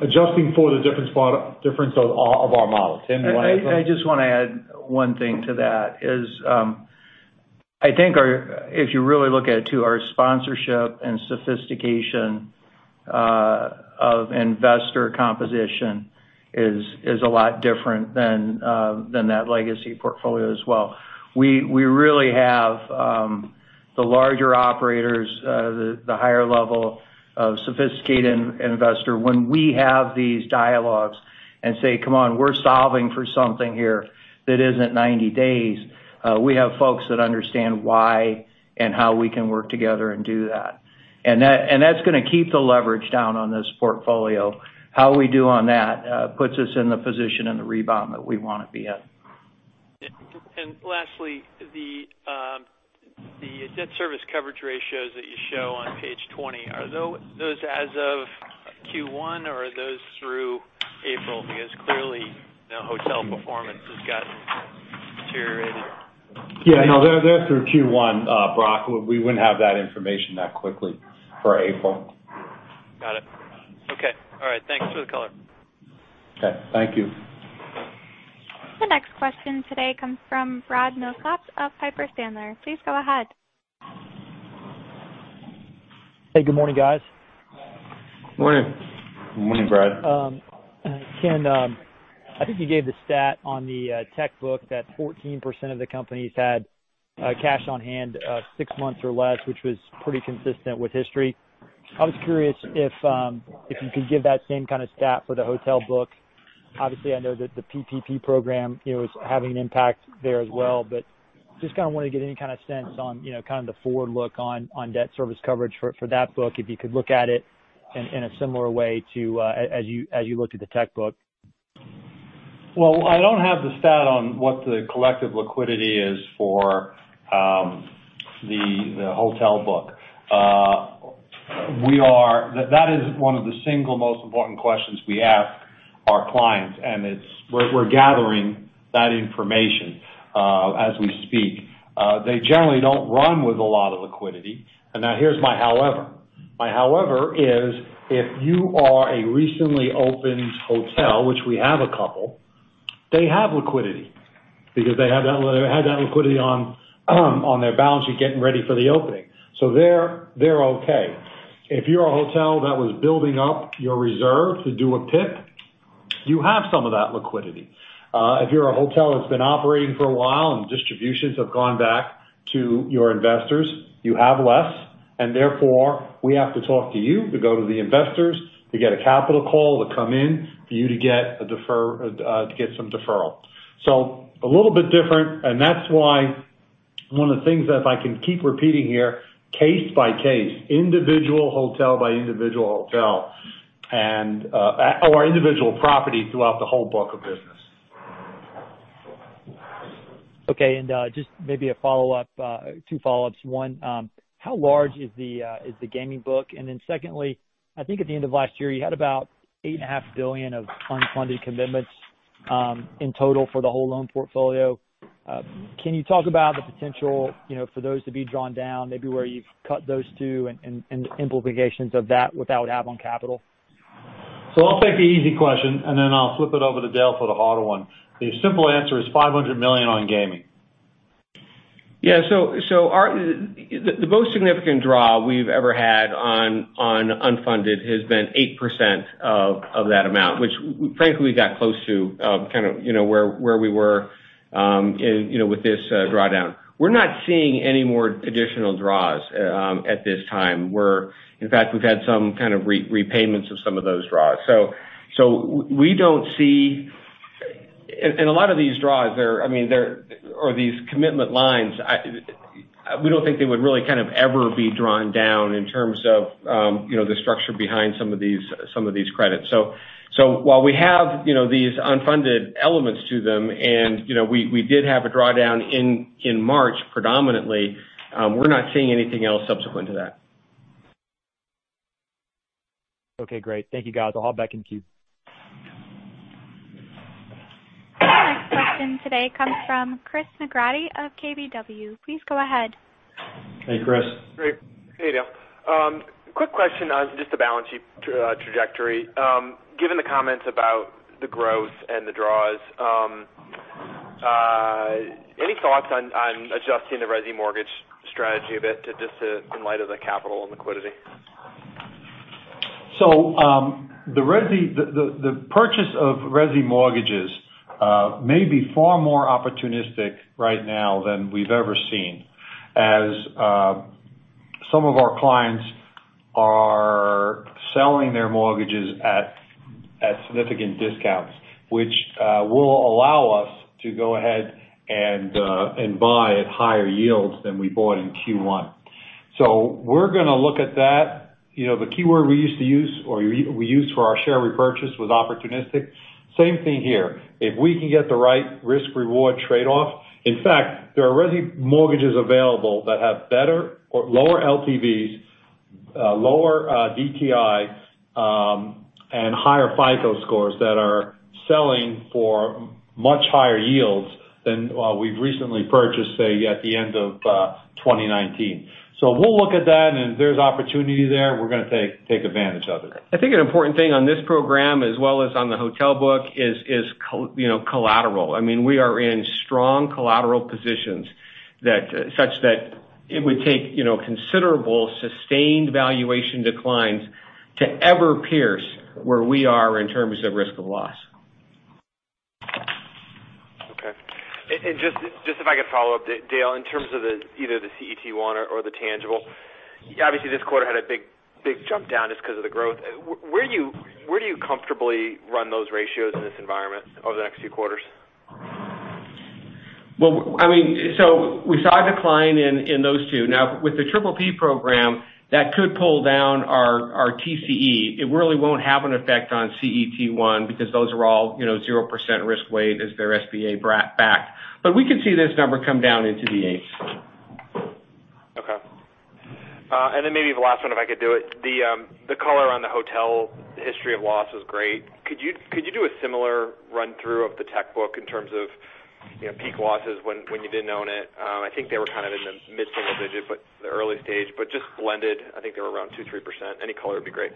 B: Adjusting for the difference of our models. Tim, you want to add something?
F: I just want to add one thing to that is, I think if you really look at it, too, our sponsorship and sophistication of investor composition is a lot different than that legacy portfolio as well. We really have the larger operators, the higher level of sophisticated investor. When we have these dialogues and say, "Come on, we're solving for something here that isn't 90 days," we have folks that understand why and how we can work together and do that. That's going to keep the leverage down on this portfolio. How we do on that puts us in the position in the rebound that we want to be in.
G: Lastly, the debt service coverage ratios that you show on page 20, are those as of Q1 or are those through April? Clearly, hotel performance has gotten deteriorated.
B: Yeah. No, they're through Q1, Brock. We wouldn't have that information that quickly for April.
G: Got it. Okay. All right. Thanks for the color.
B: Okay. Thank you.
A: The next question today comes from Brad Milsaps of Piper Sandler. Please go ahead.
H: Hey, good morning, guys.
B: Morning.
C: Morning, Brad.
H: Ken, I think you gave the stat on the tech book that 14% of the companies had cash on hand six months or less, which was pretty consistent with history. I was curious if you could give that same kind of stat for the hotel book. Obviously, I know that the PPP program is having an impact there as well, just kind of wanted to get any kind of sense on the forward look on debt service coverage for that book, if you could look at it in a similar way to as you looked at the tech book.
B: Well, I don't have the stat on what the collective liquidity is for the hotel book. That is one of the single most important questions we ask our clients, and we're gathering that information as we speak. They generally don't run with a lot of liquidity. Now here's my however. My however is if you are a recently opened hotel, which we have a couple, they have liquidity because they had that liquidity on their balance sheet getting ready for the opening. They're okay. If you're a hotel that was building up your reserve to do a PIP, you have some of that liquidity. If you're a hotel that's been operating for a while and distributions have gone back to your investors, you have less, and therefore we have to talk to you to go to the investors to get a capital call to come in for you to get some deferral. A little bit different, and that's why one of the things that if I can keep repeating here, case by case, individual hotel by individual hotel or individual property throughout the whole book of business.
H: Just maybe a follow-up. Two follow-ups. One, how large is the gaming book? Secondly, I think at the end of last year, you had about $8.5 billion of unfunded commitments in total for the whole loan portfolio. Can you talk about the potential for those to be drawn down, maybe where you've cut those two and the implications of that, what that would have on capital?
B: I'll take the easy question, and then I'll flip it over to Dale for the harder one. The simple answer is $500 million on gaming.
C: Yeah. The most significant draw we've ever had on unfunded has been 8% of that amount, which frankly we got close to where we were with this drawdown. We're not seeing any more additional draws at this time. In fact, we've had some kind of repayments of some of those draws. A lot of these draws or these commitment lines, we don't think they would really kind of ever be drawn down in terms of the structure behind some of these credits. While we have these unfunded elements to them and we did have a drawdown in March predominantly, we're not seeing anything else subsequent to that.
H: Okay, great. Thank you, guys. I'll hop back in queue.
A: The next question today comes from Chris McGratty of KBW. Please go ahead.
B: Hey, Chris.
I: Great. Hey, Ken. Quick question on just the balance sheet trajectory. Given the comments about the growth and the draws, any thoughts on adjusting the resi mortgage strategy a bit just in light of the capital and liquidity?
B: The purchase of resi mortgages may be far more opportunistic right now than we've ever seen, as some of our clients are selling their mortgages at significant discounts, which will allow us to go ahead and buy at higher yields than we bought in Q1. We're going to look at that. The keyword we used for our share repurchase was opportunistic. Same thing here. If we can get the right risk-reward trade-off. In fact, there are resi mortgages available that have better or lower LTVs, lower DTI, and higher FICO scores that are selling for much higher yields than we've recently purchased, say, at the end of 2019. We'll look at that, and if there's opportunity there, we're going to take advantage of it.
C: I think an important thing on this program as well as on the hotel book is collateral. We are in strong collateral positions such that it would take considerable sustained valuation declines to ever pierce where we are in terms of risk of loss.
I: Okay. Just if I could follow up, Dale, in terms of either the CET1 or the tangible, obviously this quarter had a big jump down just because of the growth. Where do you comfortably run those ratios in this environment over the next few quarters?
C: We saw a decline in those two. With the PPP program, that could pull down our TCE. It really won't have an effect on CET1 because those are all 0% risk weight as they're SBA-backed. We could see this number come down into the eights.
I: Okay. Maybe the last one if I could do it. The color on the hotel history of loss was great. Could you do a similar run-through of the tech book in terms of peak losses when you didn't own it? I think they were kind of in the mid-single digit, but the early stage. Just blended, I think they were around 2%-3%. Any color would be great.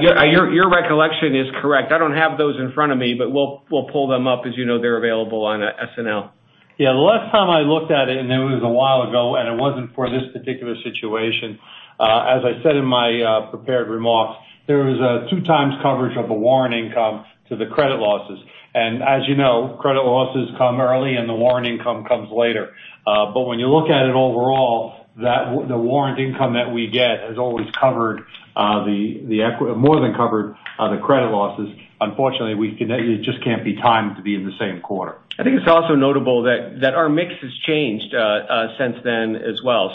C: Your recollection is correct. I don't have those in front of me, but we'll pull them up. As you know, they're available on SNL.
B: Yeah. The last time I looked at it, and it was a while ago, and it wasn't for this particular situation. As I said in my prepared remarks, there was a two times coverage of the warrant income to the credit losses. As you know, credit losses come early and the warrant income comes later. When you look at it overall, the warrant income that we get has more than covered the credit losses. Unfortunately, it just can't be timed to be in the same quarter.
C: I think it's also notable that our mix has changed since then as well.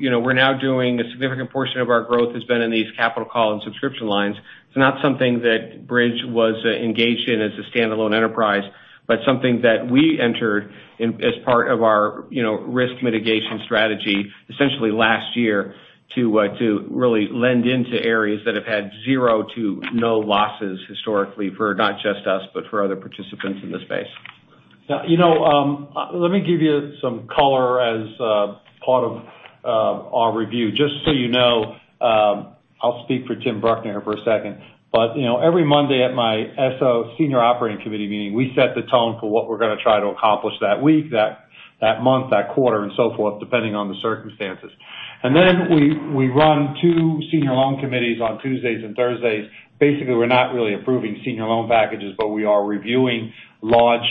C: We're now doing a significant portion of our growth has been in these capital call and subscription lines. It's not something that Bridge was engaged in as a standalone enterprise, but something that we entered as part of our risk mitigation strategy essentially last year to really lend into areas that have had zero to no losses historically for not just us, but for other participants in the space.
B: Let me give you some color as part of our review. Just so you know, I'll speak for Tim Bruckner for a second. Every Monday at my SOC Senior Operating Committee meeting, we set the tone for what we're going to try to accomplish that week, that month, that quarter, and so forth, depending on the circumstances. We run two senior loan committees on Tuesdays and Thursdays. Basically, we're not really approving senior loan packages, but we are reviewing large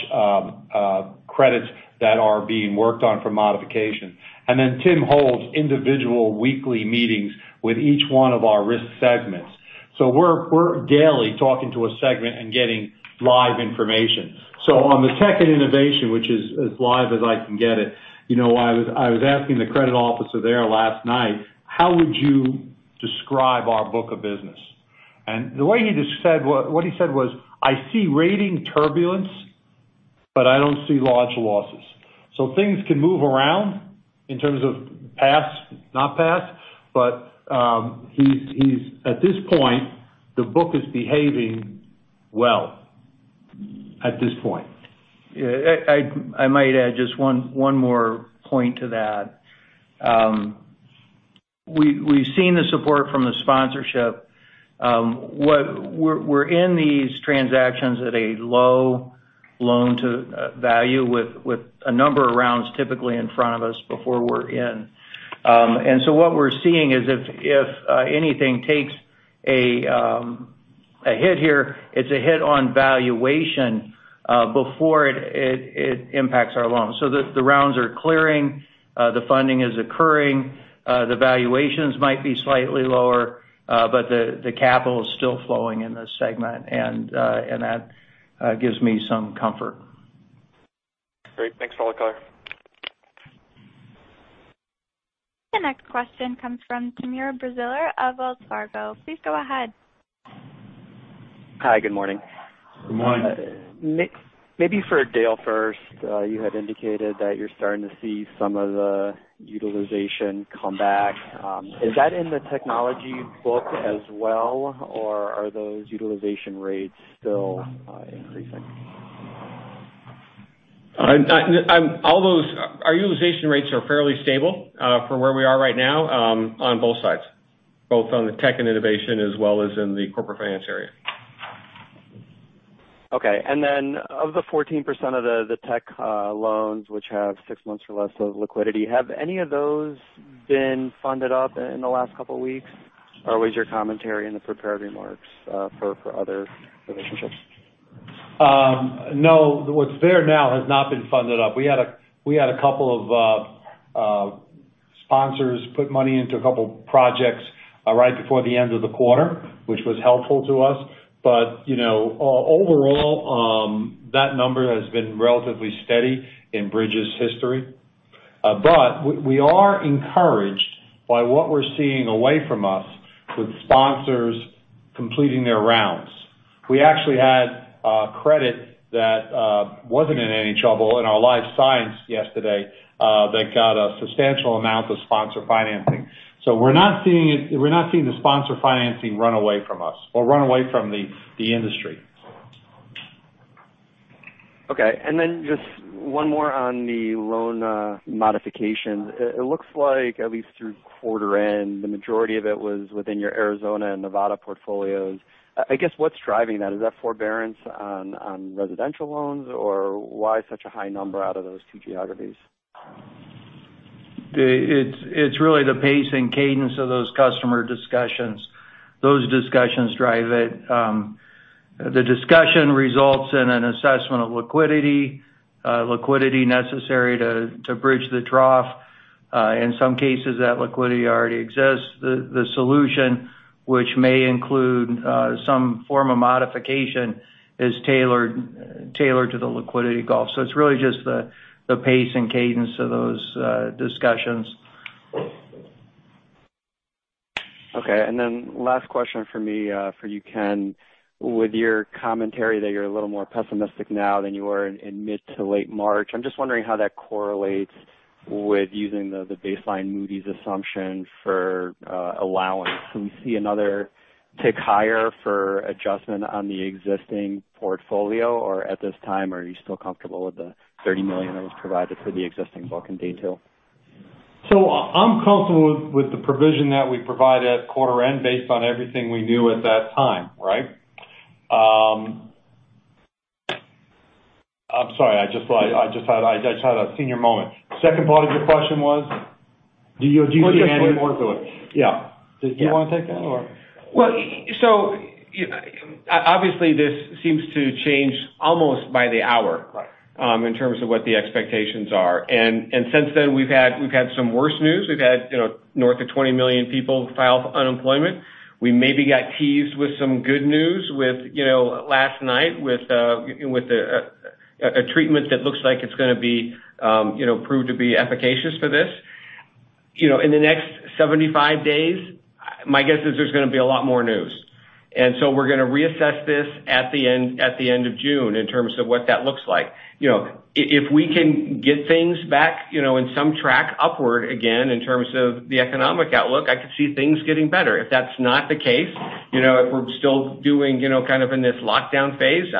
B: credits that are being worked on for modification. Tim holds individual weekly meetings with each one of our risk segments. We're daily talking to a segment and getting live information. On the Tech & Innovation, which is as live as I can get it, I was asking the credit officer there last night, how would you describe our book of business? What he said was, "I see rating turbulence, but I don't see large losses." Things can move around in terms of pass, not pass. At this point, the book is behaving well. At this point.
F: Yeah. I might add just one more point to that. We've seen the support from the sponsorship. We're in these transactions at a low loan to value with a number of rounds typically in front of us before we're in. What we're seeing is if anything takes a hit here, it's a hit on valuation before it impacts our loans. The rounds are clearing, the funding is occurring. The valuations might be slightly lower, but the capital is still flowing in this segment. That gives me some comfort.
I: Great. Thanks for all the color.
A: The next question comes from Timur Braziler of Wells Fargo. Please go ahead.
J: Hi, good morning.
B: Good morning.
J: Maybe for Dale first. You had indicated that you're starting to see some of the utilization come back. Is that in the technology book as well, or are those utilization rates still increasing?
C: Our utilization rates are fairly stable for where we are right now on both sides, both on the Tech & Innovation, as well as in the corporate finance area.
J: Okay. Of the 14% of the tech loans which have six months or less of liquidity, have any of those been funded up in the last couple of weeks? Was your commentary in the prepared remarks for other relationships?
C: No. What's there now has not been funded up. We had a couple of sponsors put money into a couple projects right before the end of the quarter, which was helpful to us. Overall, that number has been relatively steady in Bridge's history. We are encouraged by what we're seeing away from us with sponsors completing their rounds. We actually had a credit that wasn't in any trouble in our life science yesterday that got a substantial amount of sponsor financing. We're not seeing the sponsor financing run away from us or run away from the industry.
J: Okay. Just one more on the loan modification. It looks like at least through quarter end, the majority of it was within your Arizona and Nevada portfolios. I guess what's driving that? Is that forbearance on residential loans, or why such a high number out of those two geographies?
F: It's really the pace and cadence of those customer discussions. Those discussions drive it. The discussion results in an assessment of liquidity necessary to bridge the trough. In some cases, that liquidity already exists. The solution, which may include some form of modification, is tailored to the liquidity gulf. It's really just the pace and cadence of those discussions.
J: Okay. Last question from me for you, Ken. With your commentary that you're a little more pessimistic now than you were in mid to late March, I'm just wondering how that correlates with using the baseline Moody's assumption for allowance. Can we see another tick higher for adjustment on the existing portfolio, or at this time, are you still comfortable with the $30 million that was provided for the existing book in detail?
B: I'm comfortable with the provision that we provide at quarter end based on everything we knew at that time. Right? I'm sorry. I just had a senior moment. Second part of your question was?
C: Do you want to add more to it?
B: Yeah. Did you want to take that or?
C: Well, obviously, this seems to change almost by the hour.
B: Right
C: In terms of what the expectations are. Since then, we've had some worse news. We've had north of 20 million people file for unemployment. We maybe got teased with some good news last night with a treatment that looks like it's going to prove to be efficacious for this. In the next 75 days, my guess is there's going to be a lot more news. We're going to reassess this at the end of June in terms of what that looks like. If we can get things back in some track upward again in terms of the economic outlook, I could see things getting better. If that's not the case, if we're still doing kind of in this lockdown phase,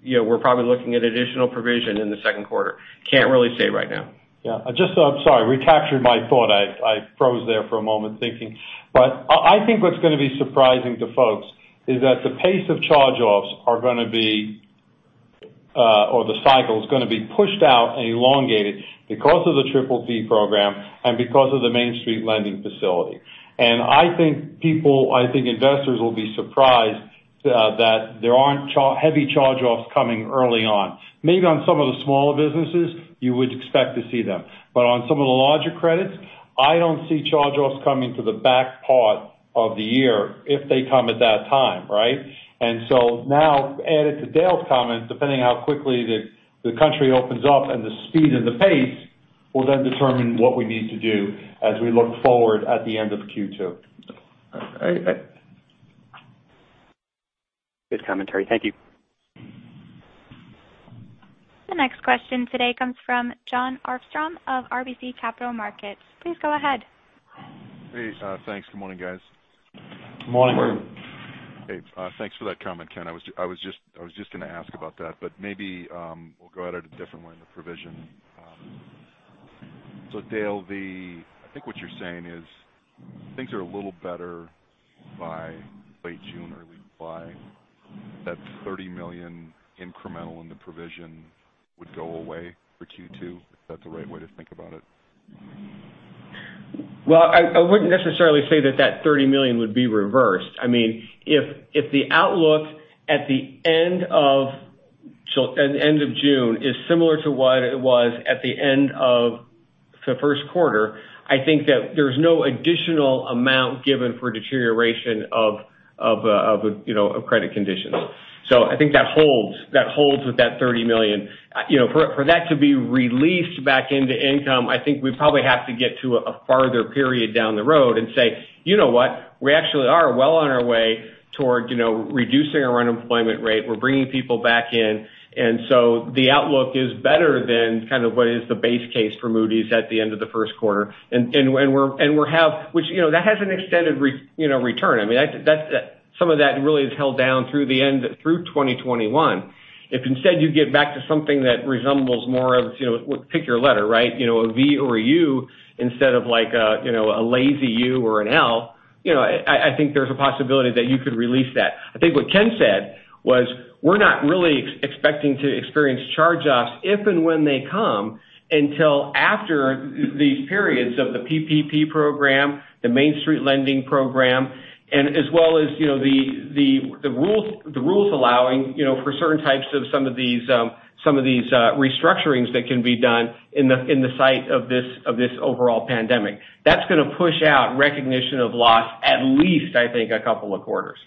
C: we're probably looking at additional provision in the second quarter. Can't really say right now.
B: Yeah. I'm sorry. Recaptured my thought. I froze there for a moment thinking. I think what's going to be surprising to folks is that the pace of charge-offs or the cycle is going to be pushed out and elongated because of the PPP program and because of the Main Street Lending Program. I think investors will be surprised that there aren't heavy charge-offs coming early on. Maybe on some of the smaller businesses, you would expect to see them. On some of the larger credits, I don't see charge-offs coming to the back part of the year if they come at that time. Right? Now added to Dale's comments, depending how quickly the country opens up and the speed and the pace, will then determine what we need to do as we look forward at the end of Q2.
J: Good commentary. Thank you.
A: The next question today comes from Jon Arfstrom of RBC Capital Markets. Please go ahead.
K: Hey, thanks. Good morning, guys.
C: Good morning.
B: Morning.
K: Hey, thanks for that comment, Ken. I was just going to ask about that. Maybe we'll go at it a different way in the provision. Dale, I think what you're saying is things are a little better by late June, early July. That $30 million incremental in the provision would go away for Q2. Is that the right way to think about it?
C: Well, I wouldn't necessarily say that that $30 million would be reversed. If the outlook at the end of June is similar to what it was at the end of the first quarter, I think that there's no additional amount given for deterioration of credit conditions. I think that holds with that $30 million. For that to be released back into income, I think we probably have to get to a farther period down the road and say, "You know what? We actually are well on our way toward reducing our unemployment rate. We're bringing people back in." The outlook is better than kind of what is the base case for Moody's at the end of the first quarter. That has an extended return. Some of that really is held down through 2021. Instead you get back to something that resembles more of, pick your letter, right? V or a U instead of a lazy U or an L, I think there's a possibility that you could release that. I think what Ken said was, we're not really expecting to experience charge-offs if and when they come until after these periods of the PPP program, the Main Street Lending Program, and as well as the rules allowing for certain types of some of these restructurings that can be done in the sight of this overall pandemic. That's going to push out recognition of loss at least, I think, a couple of quarters.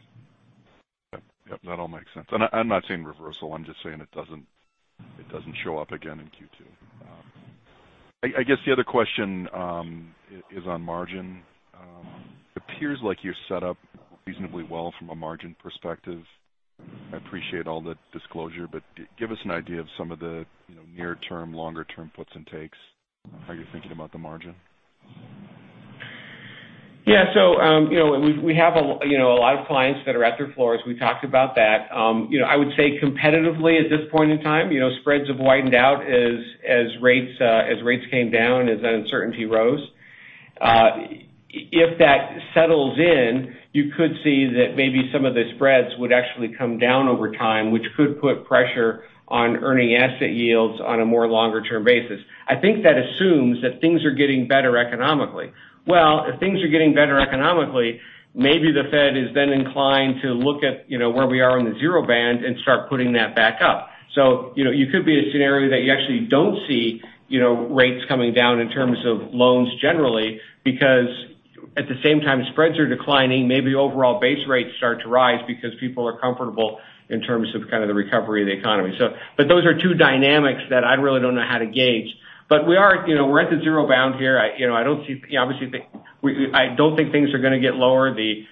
K: Yep. That all makes sense. I'm not saying reversal, I'm just saying it doesn't show up again in Q2. I guess the other question is on margin. It appears like you're set up reasonably well from a margin perspective. I appreciate all the disclosure, give us an idea of some of the near term, longer term puts and takes how you're thinking about the margin.
C: Yeah. We have a lot of clients that are at their floors. We talked about that. I would say competitively at this point in time, spreads have widened out as rates came down, as that uncertainty rose. If that settles in, you could see that maybe some of the spreads would actually come down over time, which could put pressure on earning asset yields on a more longer term basis. I think that assumes that things are getting better economically. Well, if things are getting better economically, maybe the Fed is then inclined to look at where we are in the zero band and start putting that back up. It could be a scenario that you actually don't see rates coming down in terms of loans generally, because at the same time spreads are declining, maybe overall base rates start to rise because people are comfortable in terms of kind of the recovery of the economy. Those are two dynamics that I really don't know how to gauge. We're at the zero bound here. I don't think things are going to get lower. The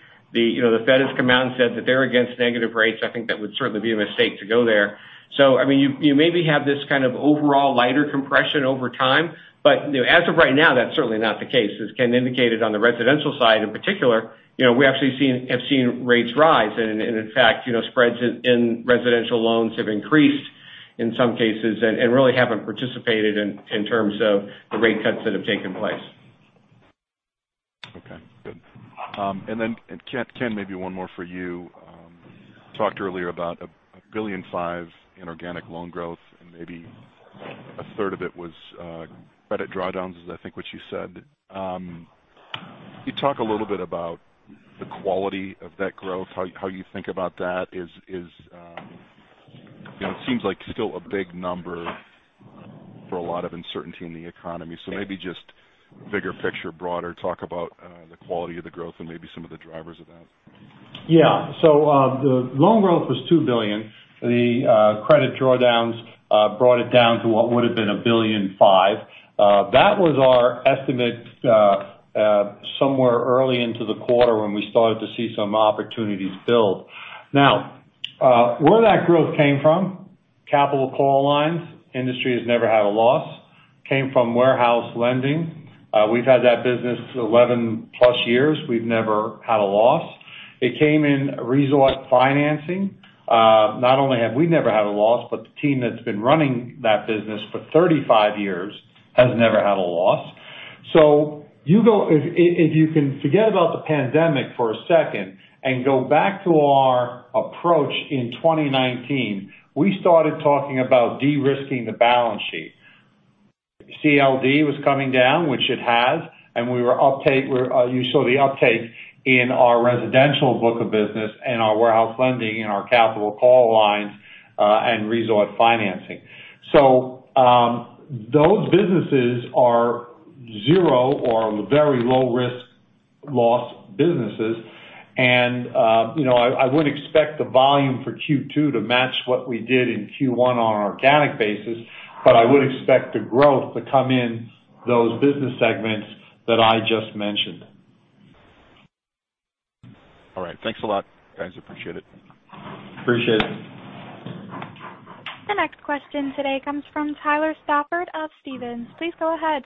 C: Fed has come out and said that they're against negative rates. I think that would certainly be a mistake to go there. You maybe have this kind of overall lighter compression over time. As of right now, that's certainly not the case. As Ken indicated, on the residential side in particular, we actually have seen rates rise. In fact, spreads in residential loans have increased in some cases and really haven't participated in terms of the rate cuts that have taken place.
K: Okay, good. Ken, maybe one more for you. Talked earlier about $1.5 billion in organic loan growth, and maybe a third of it was credit drawdowns is I think what you said. Can you talk a little bit about the quality of that growth, how you think about that? It seems like still a big number for a lot of uncertainty in the economy. Maybe just bigger picture, broader talk about the quality of the growth and maybe some of the drivers of that.
B: The loan growth was $2 billion. The credit drawdowns brought it down to what would've been $1.5 billion. That was our estimate somewhere early into the quarter when we started to see some opportunities build. Where that growth came from, capital call lines. Industry has never had a loss. Came from warehouse lending. We've had that business 11 plus years. We've never had a loss. It came in resort financing. Not only have we never had a loss, but the team that's been running that business for 35 years has never had a loss. If you can forget about the pandemic for a second and go back to our approach in 2019, we started talking about de-risking the balance sheet. CLD was coming down, which it has, and you saw the uptake in our residential book of business and our warehouse lending and our capital call lines, and resort financing. Those businesses are zero or very low risk loss businesses. I would expect the volume for Q2 to match what we did in Q1 on an organic basis, but I would expect the growth to come in those business segments that I just mentioned.
K: All right. Thanks a lot, guys. Appreciate it.
B: Appreciate it.
A: The next question today comes from Tyler Stafford of Stephens. Please go ahead.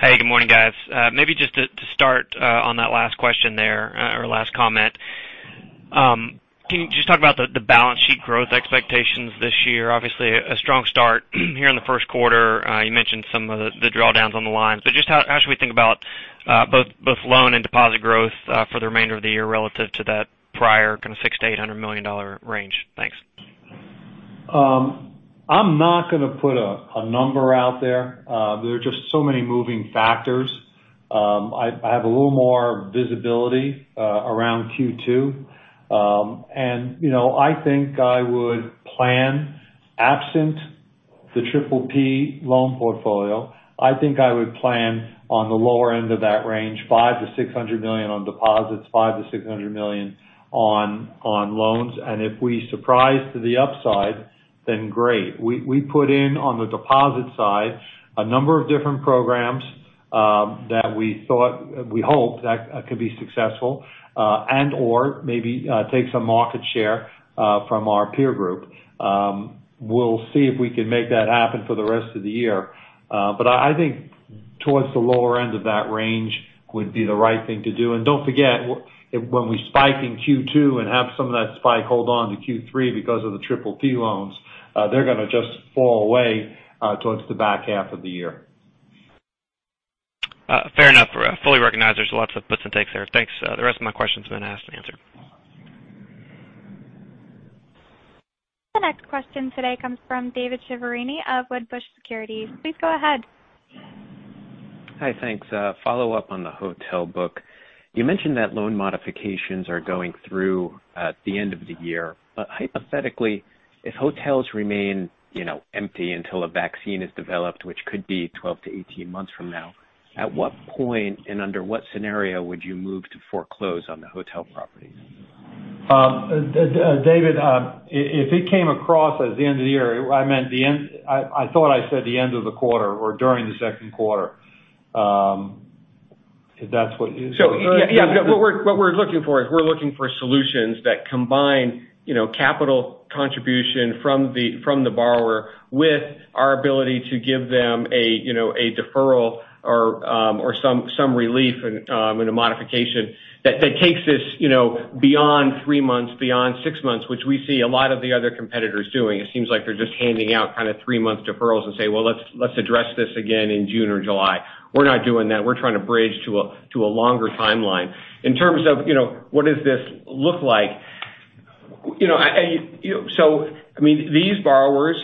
L: Hey, good morning, guys. Maybe just to start on that last question there, or last comment. Can you just talk about the balance sheet growth expectations this year? Obviously a strong start here in the first quarter. You mentioned some of the drawdowns on the lines, but just how should we think about both loan and deposit growth for the remainder of the year relative to that prior kind of $600 million-$800 million range? Thanks.
B: I'm not going to put a number out there. There are just so many moving factors. I have a little more visibility around Q2. I think I would plan, absent the PPP loan portfolio, I think I would plan on the lower end of that range, $500 million-$600 million on deposits, $500 million-$600 million on loans. If we surprise to the upside, then great. We put in on the deposit side a number of different programs that we hope that could be successful, and/or maybe take some market share from our peer group. We'll see if we can make that happen for the rest of the year. I think towards the lower end of that range would be the right thing to do. Don't forget, when we spike in Q2 and have some of that spike hold on to Q3 because of the PPP loans, they're going to just fall away towards the back half of the year.
L: Fair enough. Fully recognize there's lots of gives and takes there. Thanks. The rest of my questions have been asked and answered.
A: The next question today comes from David Chiaverini of Wedbush Securities. Please go ahead.
M: Hi. Thanks. A follow-up on the hotel book. You mentioned that loan modifications are going through at the end of the year. Hypothetically, if hotels remain empty until a vaccine is developed, which could be 12-18 months from now, at what point and under what scenario would you move to foreclose on the hotel properties?
B: David, if it came across as the end of the year, I thought I said the end of the quarter or during the second quarter. If that's what
C: yeah. What we're looking for is we're looking for solutions that combine capital contribution from the borrower with our ability to give them a deferral or some relief in a modification that takes us beyond three months, beyond six months, which we see a lot of the other competitors doing. It seems like they're just handing out kind of three-month deferrals and say, "Well, let's address this again in June or July." We're not doing that. We're trying to bridge to a longer timeline. In terms of what does this look like, these borrowers,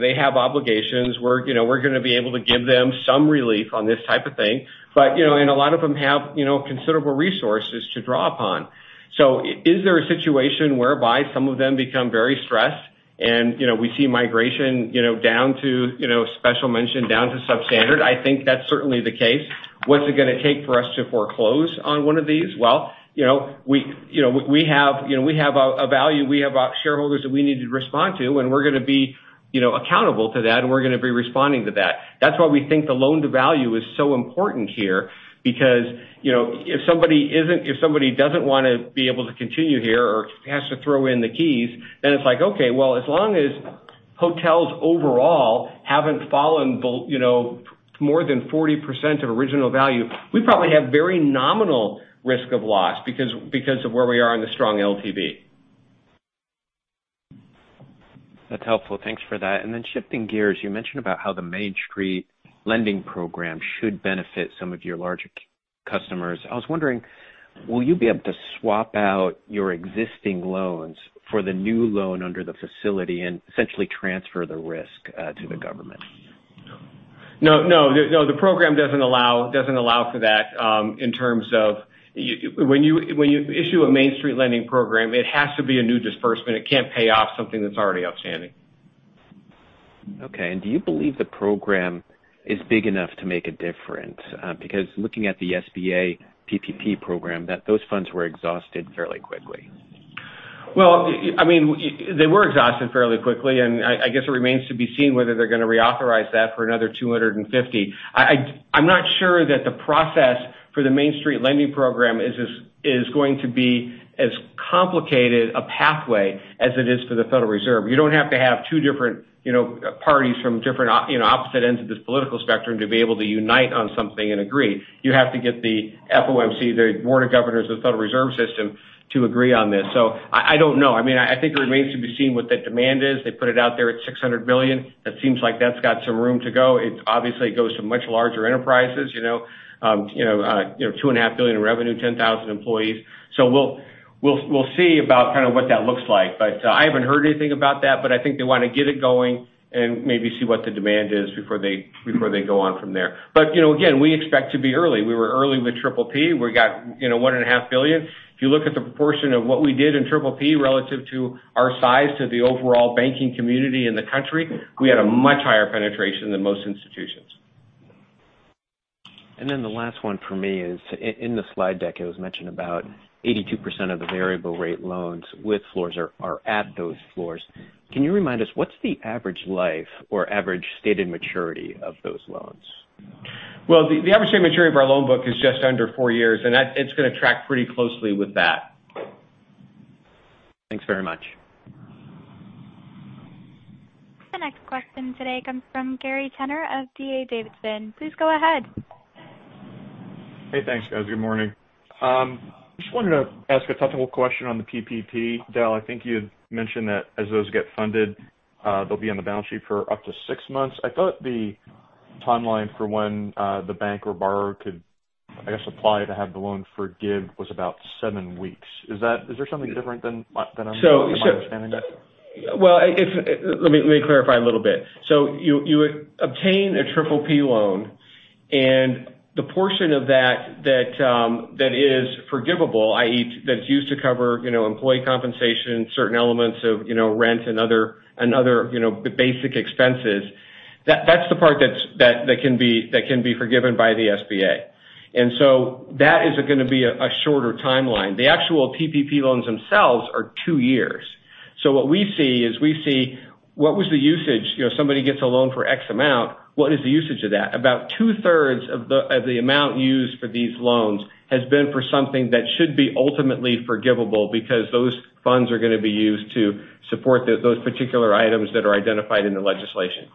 C: they have obligations. We're going to be able to give them some relief on this type of thing. A lot of them have considerable resources to draw upon. Is there a situation whereby some of them become very stressed and we see migration down to special mention, down to substandard? I think that's certainly the case. What's it going to take for us to foreclose on one of these? Well, we have a value. We have shareholders that we need to respond to, and we're going to be accountable to that, and we're going to be responding to that. That's why we think the loan-to-value is so important here, because if somebody doesn't want to be able to continue here or has to throw in the keys, okay, well, as long as hotels overall haven't fallen more than 40% of original value, we probably have very nominal risk of loss because of where we are in the strong LTV.
M: That's helpful. Thanks for that. Shifting gears, you mentioned about how the Main Street Lending Program should benefit some of your larger customers. I was wondering, will you be able to swap out your existing loans for the new loan under the facility and essentially transfer the risk to the government?
C: No. The program doesn't allow for that in terms of when you issue a Main Street Lending Program, it has to be a new disbursement. It can't pay off something that's already outstanding.
M: Okay. Do you believe the program is big enough to make a difference? Looking at the SBA PPP program, those funds were exhausted fairly quickly.
C: Well, they were exhausted fairly quickly, and I guess it remains to be seen whether they're going to reauthorize that for another 250. I'm not sure that the process for the Main Street Lending Program is going to be as complicated a pathway as it is for the Federal Reserve. You don't have to have two different parties from opposite ends of this political spectrum to be able to unite on something and agree. You have to get the FOMC, the Board of Governors of the Federal Reserve System to agree on this. I don't know. I think it remains to be seen what that demand is. They put it out there at $600 billion. That seems like that's got some room to go. It obviously goes to much larger enterprises, two and a half billion dollars in revenue, 10,000 employees. We'll see about kind of what that looks like. I haven't heard anything about that. I think they want to get it going and maybe see what the demand is before they go on from there. Again, we expect to be early. We were early with PPP. We got one and a half billion. If you look at the proportion of what we did in PPP relative to our size to the overall banking community in the country, we had a much higher penetration than most institutions.
M: The last one for me is in the slide deck, it was mentioned about 82% of the variable rate loans with floors are at those floors. Can you remind us what's the average life or average stated maturity of those loans?
C: Well, the average stated maturity of our loan book is just under four years, and it's going to track pretty closely with that.
M: Thanks very much.
A: The next question today comes from Gary Tenner of D.A. Davidson. Please go ahead.
N: Hey, thanks, guys. Good morning. Just wanted to ask a couple question on the PPP. Dale, I think you had mentioned that as those get funded, they'll be on the balance sheet for up to six months. I thought the timeline for when the bank or borrower could, I guess, apply to have the loan forgive was about seven weeks. Is there something different than my understanding there?
C: Well, let me clarify a little bit. You obtain a PPP loan, and the portion of that is forgivable, i.e., that's used to cover employee compensation, certain elements of rent and other basic expenses. That's the part that can be forgiven by the SBA. That is going to be a shorter timeline. The actual PPP loans themselves are two years. What we see is we see what was the usage. Somebody gets a loan for X amount. What is the usage of that? About two-thirds of the amount used for these loans has been for something that should be ultimately forgivable because those funds are going to be used to support those particular items that are identified in the legislation.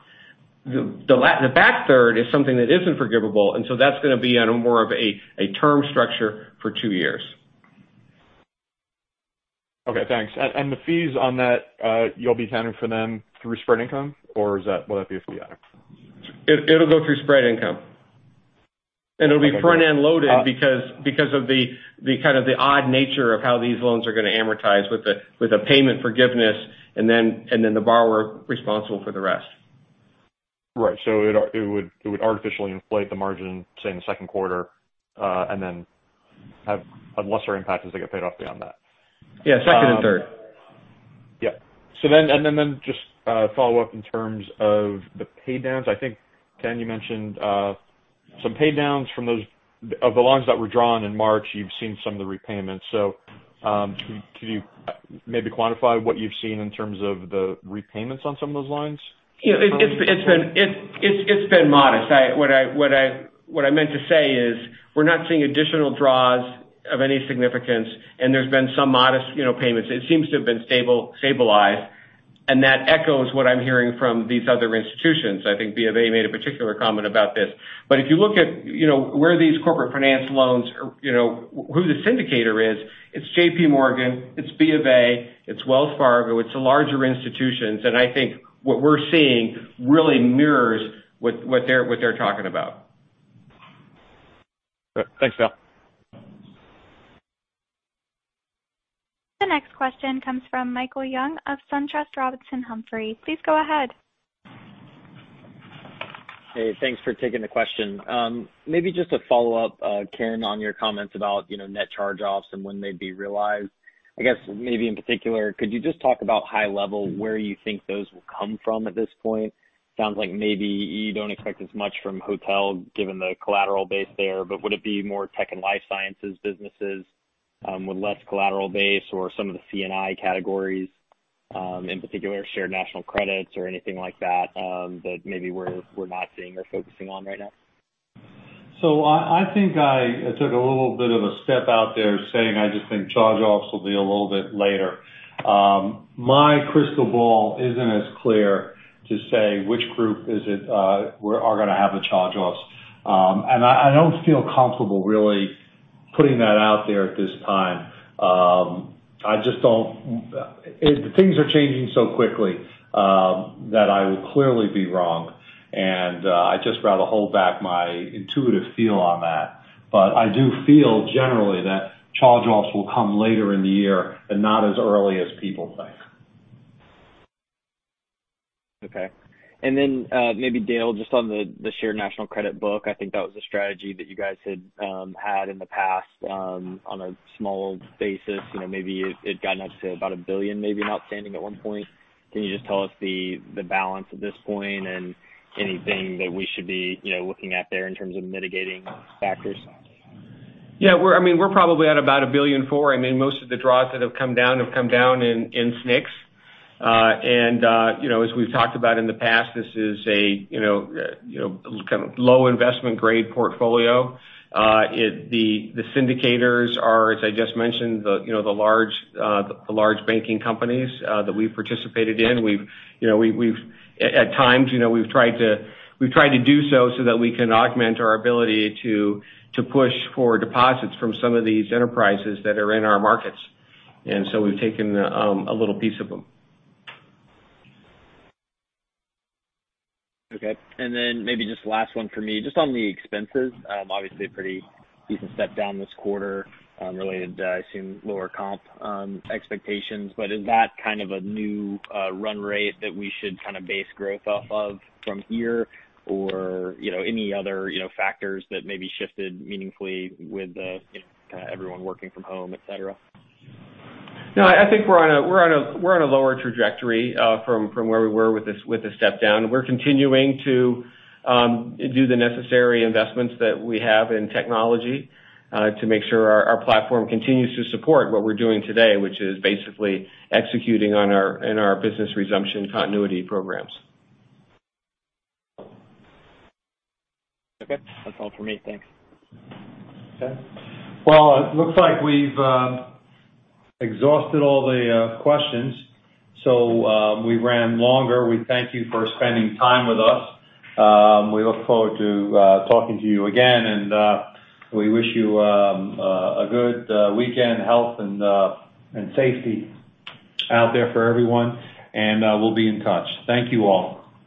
C: The back third is something that isn't forgivable, and so that's going to be on a more of a term structure for two years.
N: Okay, thanks. The fees on that, you'll be accounting for them through spread income or will that be a fee item?
C: It'll go through spread income.
N: Okay.
C: It'll be front-end loaded because of the odd nature of how these loans are going to amortize with the payment forgiveness, and then the borrower responsible for the rest.
N: Right. It would artificially inflate the margin, say, in the second quarter, and then have a lesser impact as they get paid off beyond that.
C: Yeah. Second and third.
N: Yeah. Just follow up in terms of the pay downs. I think, Ken, you mentioned some pay downs of the loans that were drawn in March. You've seen some of the repayments. Can you maybe quantify what you've seen in terms of the repayments on some of those loans?
C: It's been modest. What I meant to say is we're not seeing additional draws of any significance, and there's been some modest payments. It seems to have been stabilized, and that echoes what I'm hearing from these other institutions. I think BofA made a particular comment about this. If you look at where these corporate finance loans are, who the syndicator is, it's JPMorgan, it's BofA, it's Wells Fargo. It's the larger institutions. I think what we're seeing really mirrors what they're talking about.
N: Thanks, Dale.
A: The next question comes from Michael Young of SunTrust Robinson Humphrey. Please go ahead.
O: Hey, thanks for taking the question. Maybe just a follow-up, Ken, on your comments about net charge-offs and when they'd be realized. I guess maybe in particular, could you just talk about high level where you think those will come from at this point? Sounds like maybe you don't expect as much from hotel given the collateral base there, but would it be more tech and life sciences businesses with less collateral base or some of the C&I categories, in particular Shared National Credits or anything like that that maybe we're not seeing or focusing on right now?
B: I think I took a little bit of a step out there saying I just think charge-offs will be a little bit later. My crystal ball isn't as clear to say which group are going to have the charge-offs. I don't feel comfortable really putting that out there at this time. Things are changing so quickly that I would clearly be wrong, and I'd just rather hold back my intuitive feel on that. I do feel generally that charge-offs will come later in the year and not as early as people think.
O: Okay. Maybe Dale, just on the Shared National Credit book, I think that was a strategy that you guys had in the past on a small basis. Maybe it got up to about $1 billion in outstanding at one point. Can you just tell us the balance at this point and anything that we should be looking at there in terms of mitigating factors?
C: Yeah. We're probably at about $1.4 billion. Most of the draws that have come down have come down in SNCs. As we've talked about in the past, this is a kind of low investment grade portfolio. The syndicators are, as I just mentioned, the large banking companies that we've participated in. At times, we've tried to do so that we can augment our ability to push for deposits from some of these enterprises that are in our markets. We've taken a little piece of them.
O: Okay. Maybe just last one for me, just on the expenses. Obviously a pretty decent step down this quarter related to, I assume, lower comp expectations. Is that kind of a new run rate that we should base growth off of from here? Any other factors that maybe shifted meaningfully with everyone working from home, et cetera?
C: I think we're on a lower trajectory from where we were with the step down. We're continuing to do the necessary investments that we have in technology to make sure our platform continues to support what we're doing today, which is basically executing in our business resumption continuity programs.
O: Okay. That's all for me. Thanks.
B: Well, it looks like we've exhausted all the questions. We ran longer. We thank you for spending time with us. We look forward to talking to you again. We wish you a good weekend health and safety out there for everyone. We'll be in touch. Thank you all.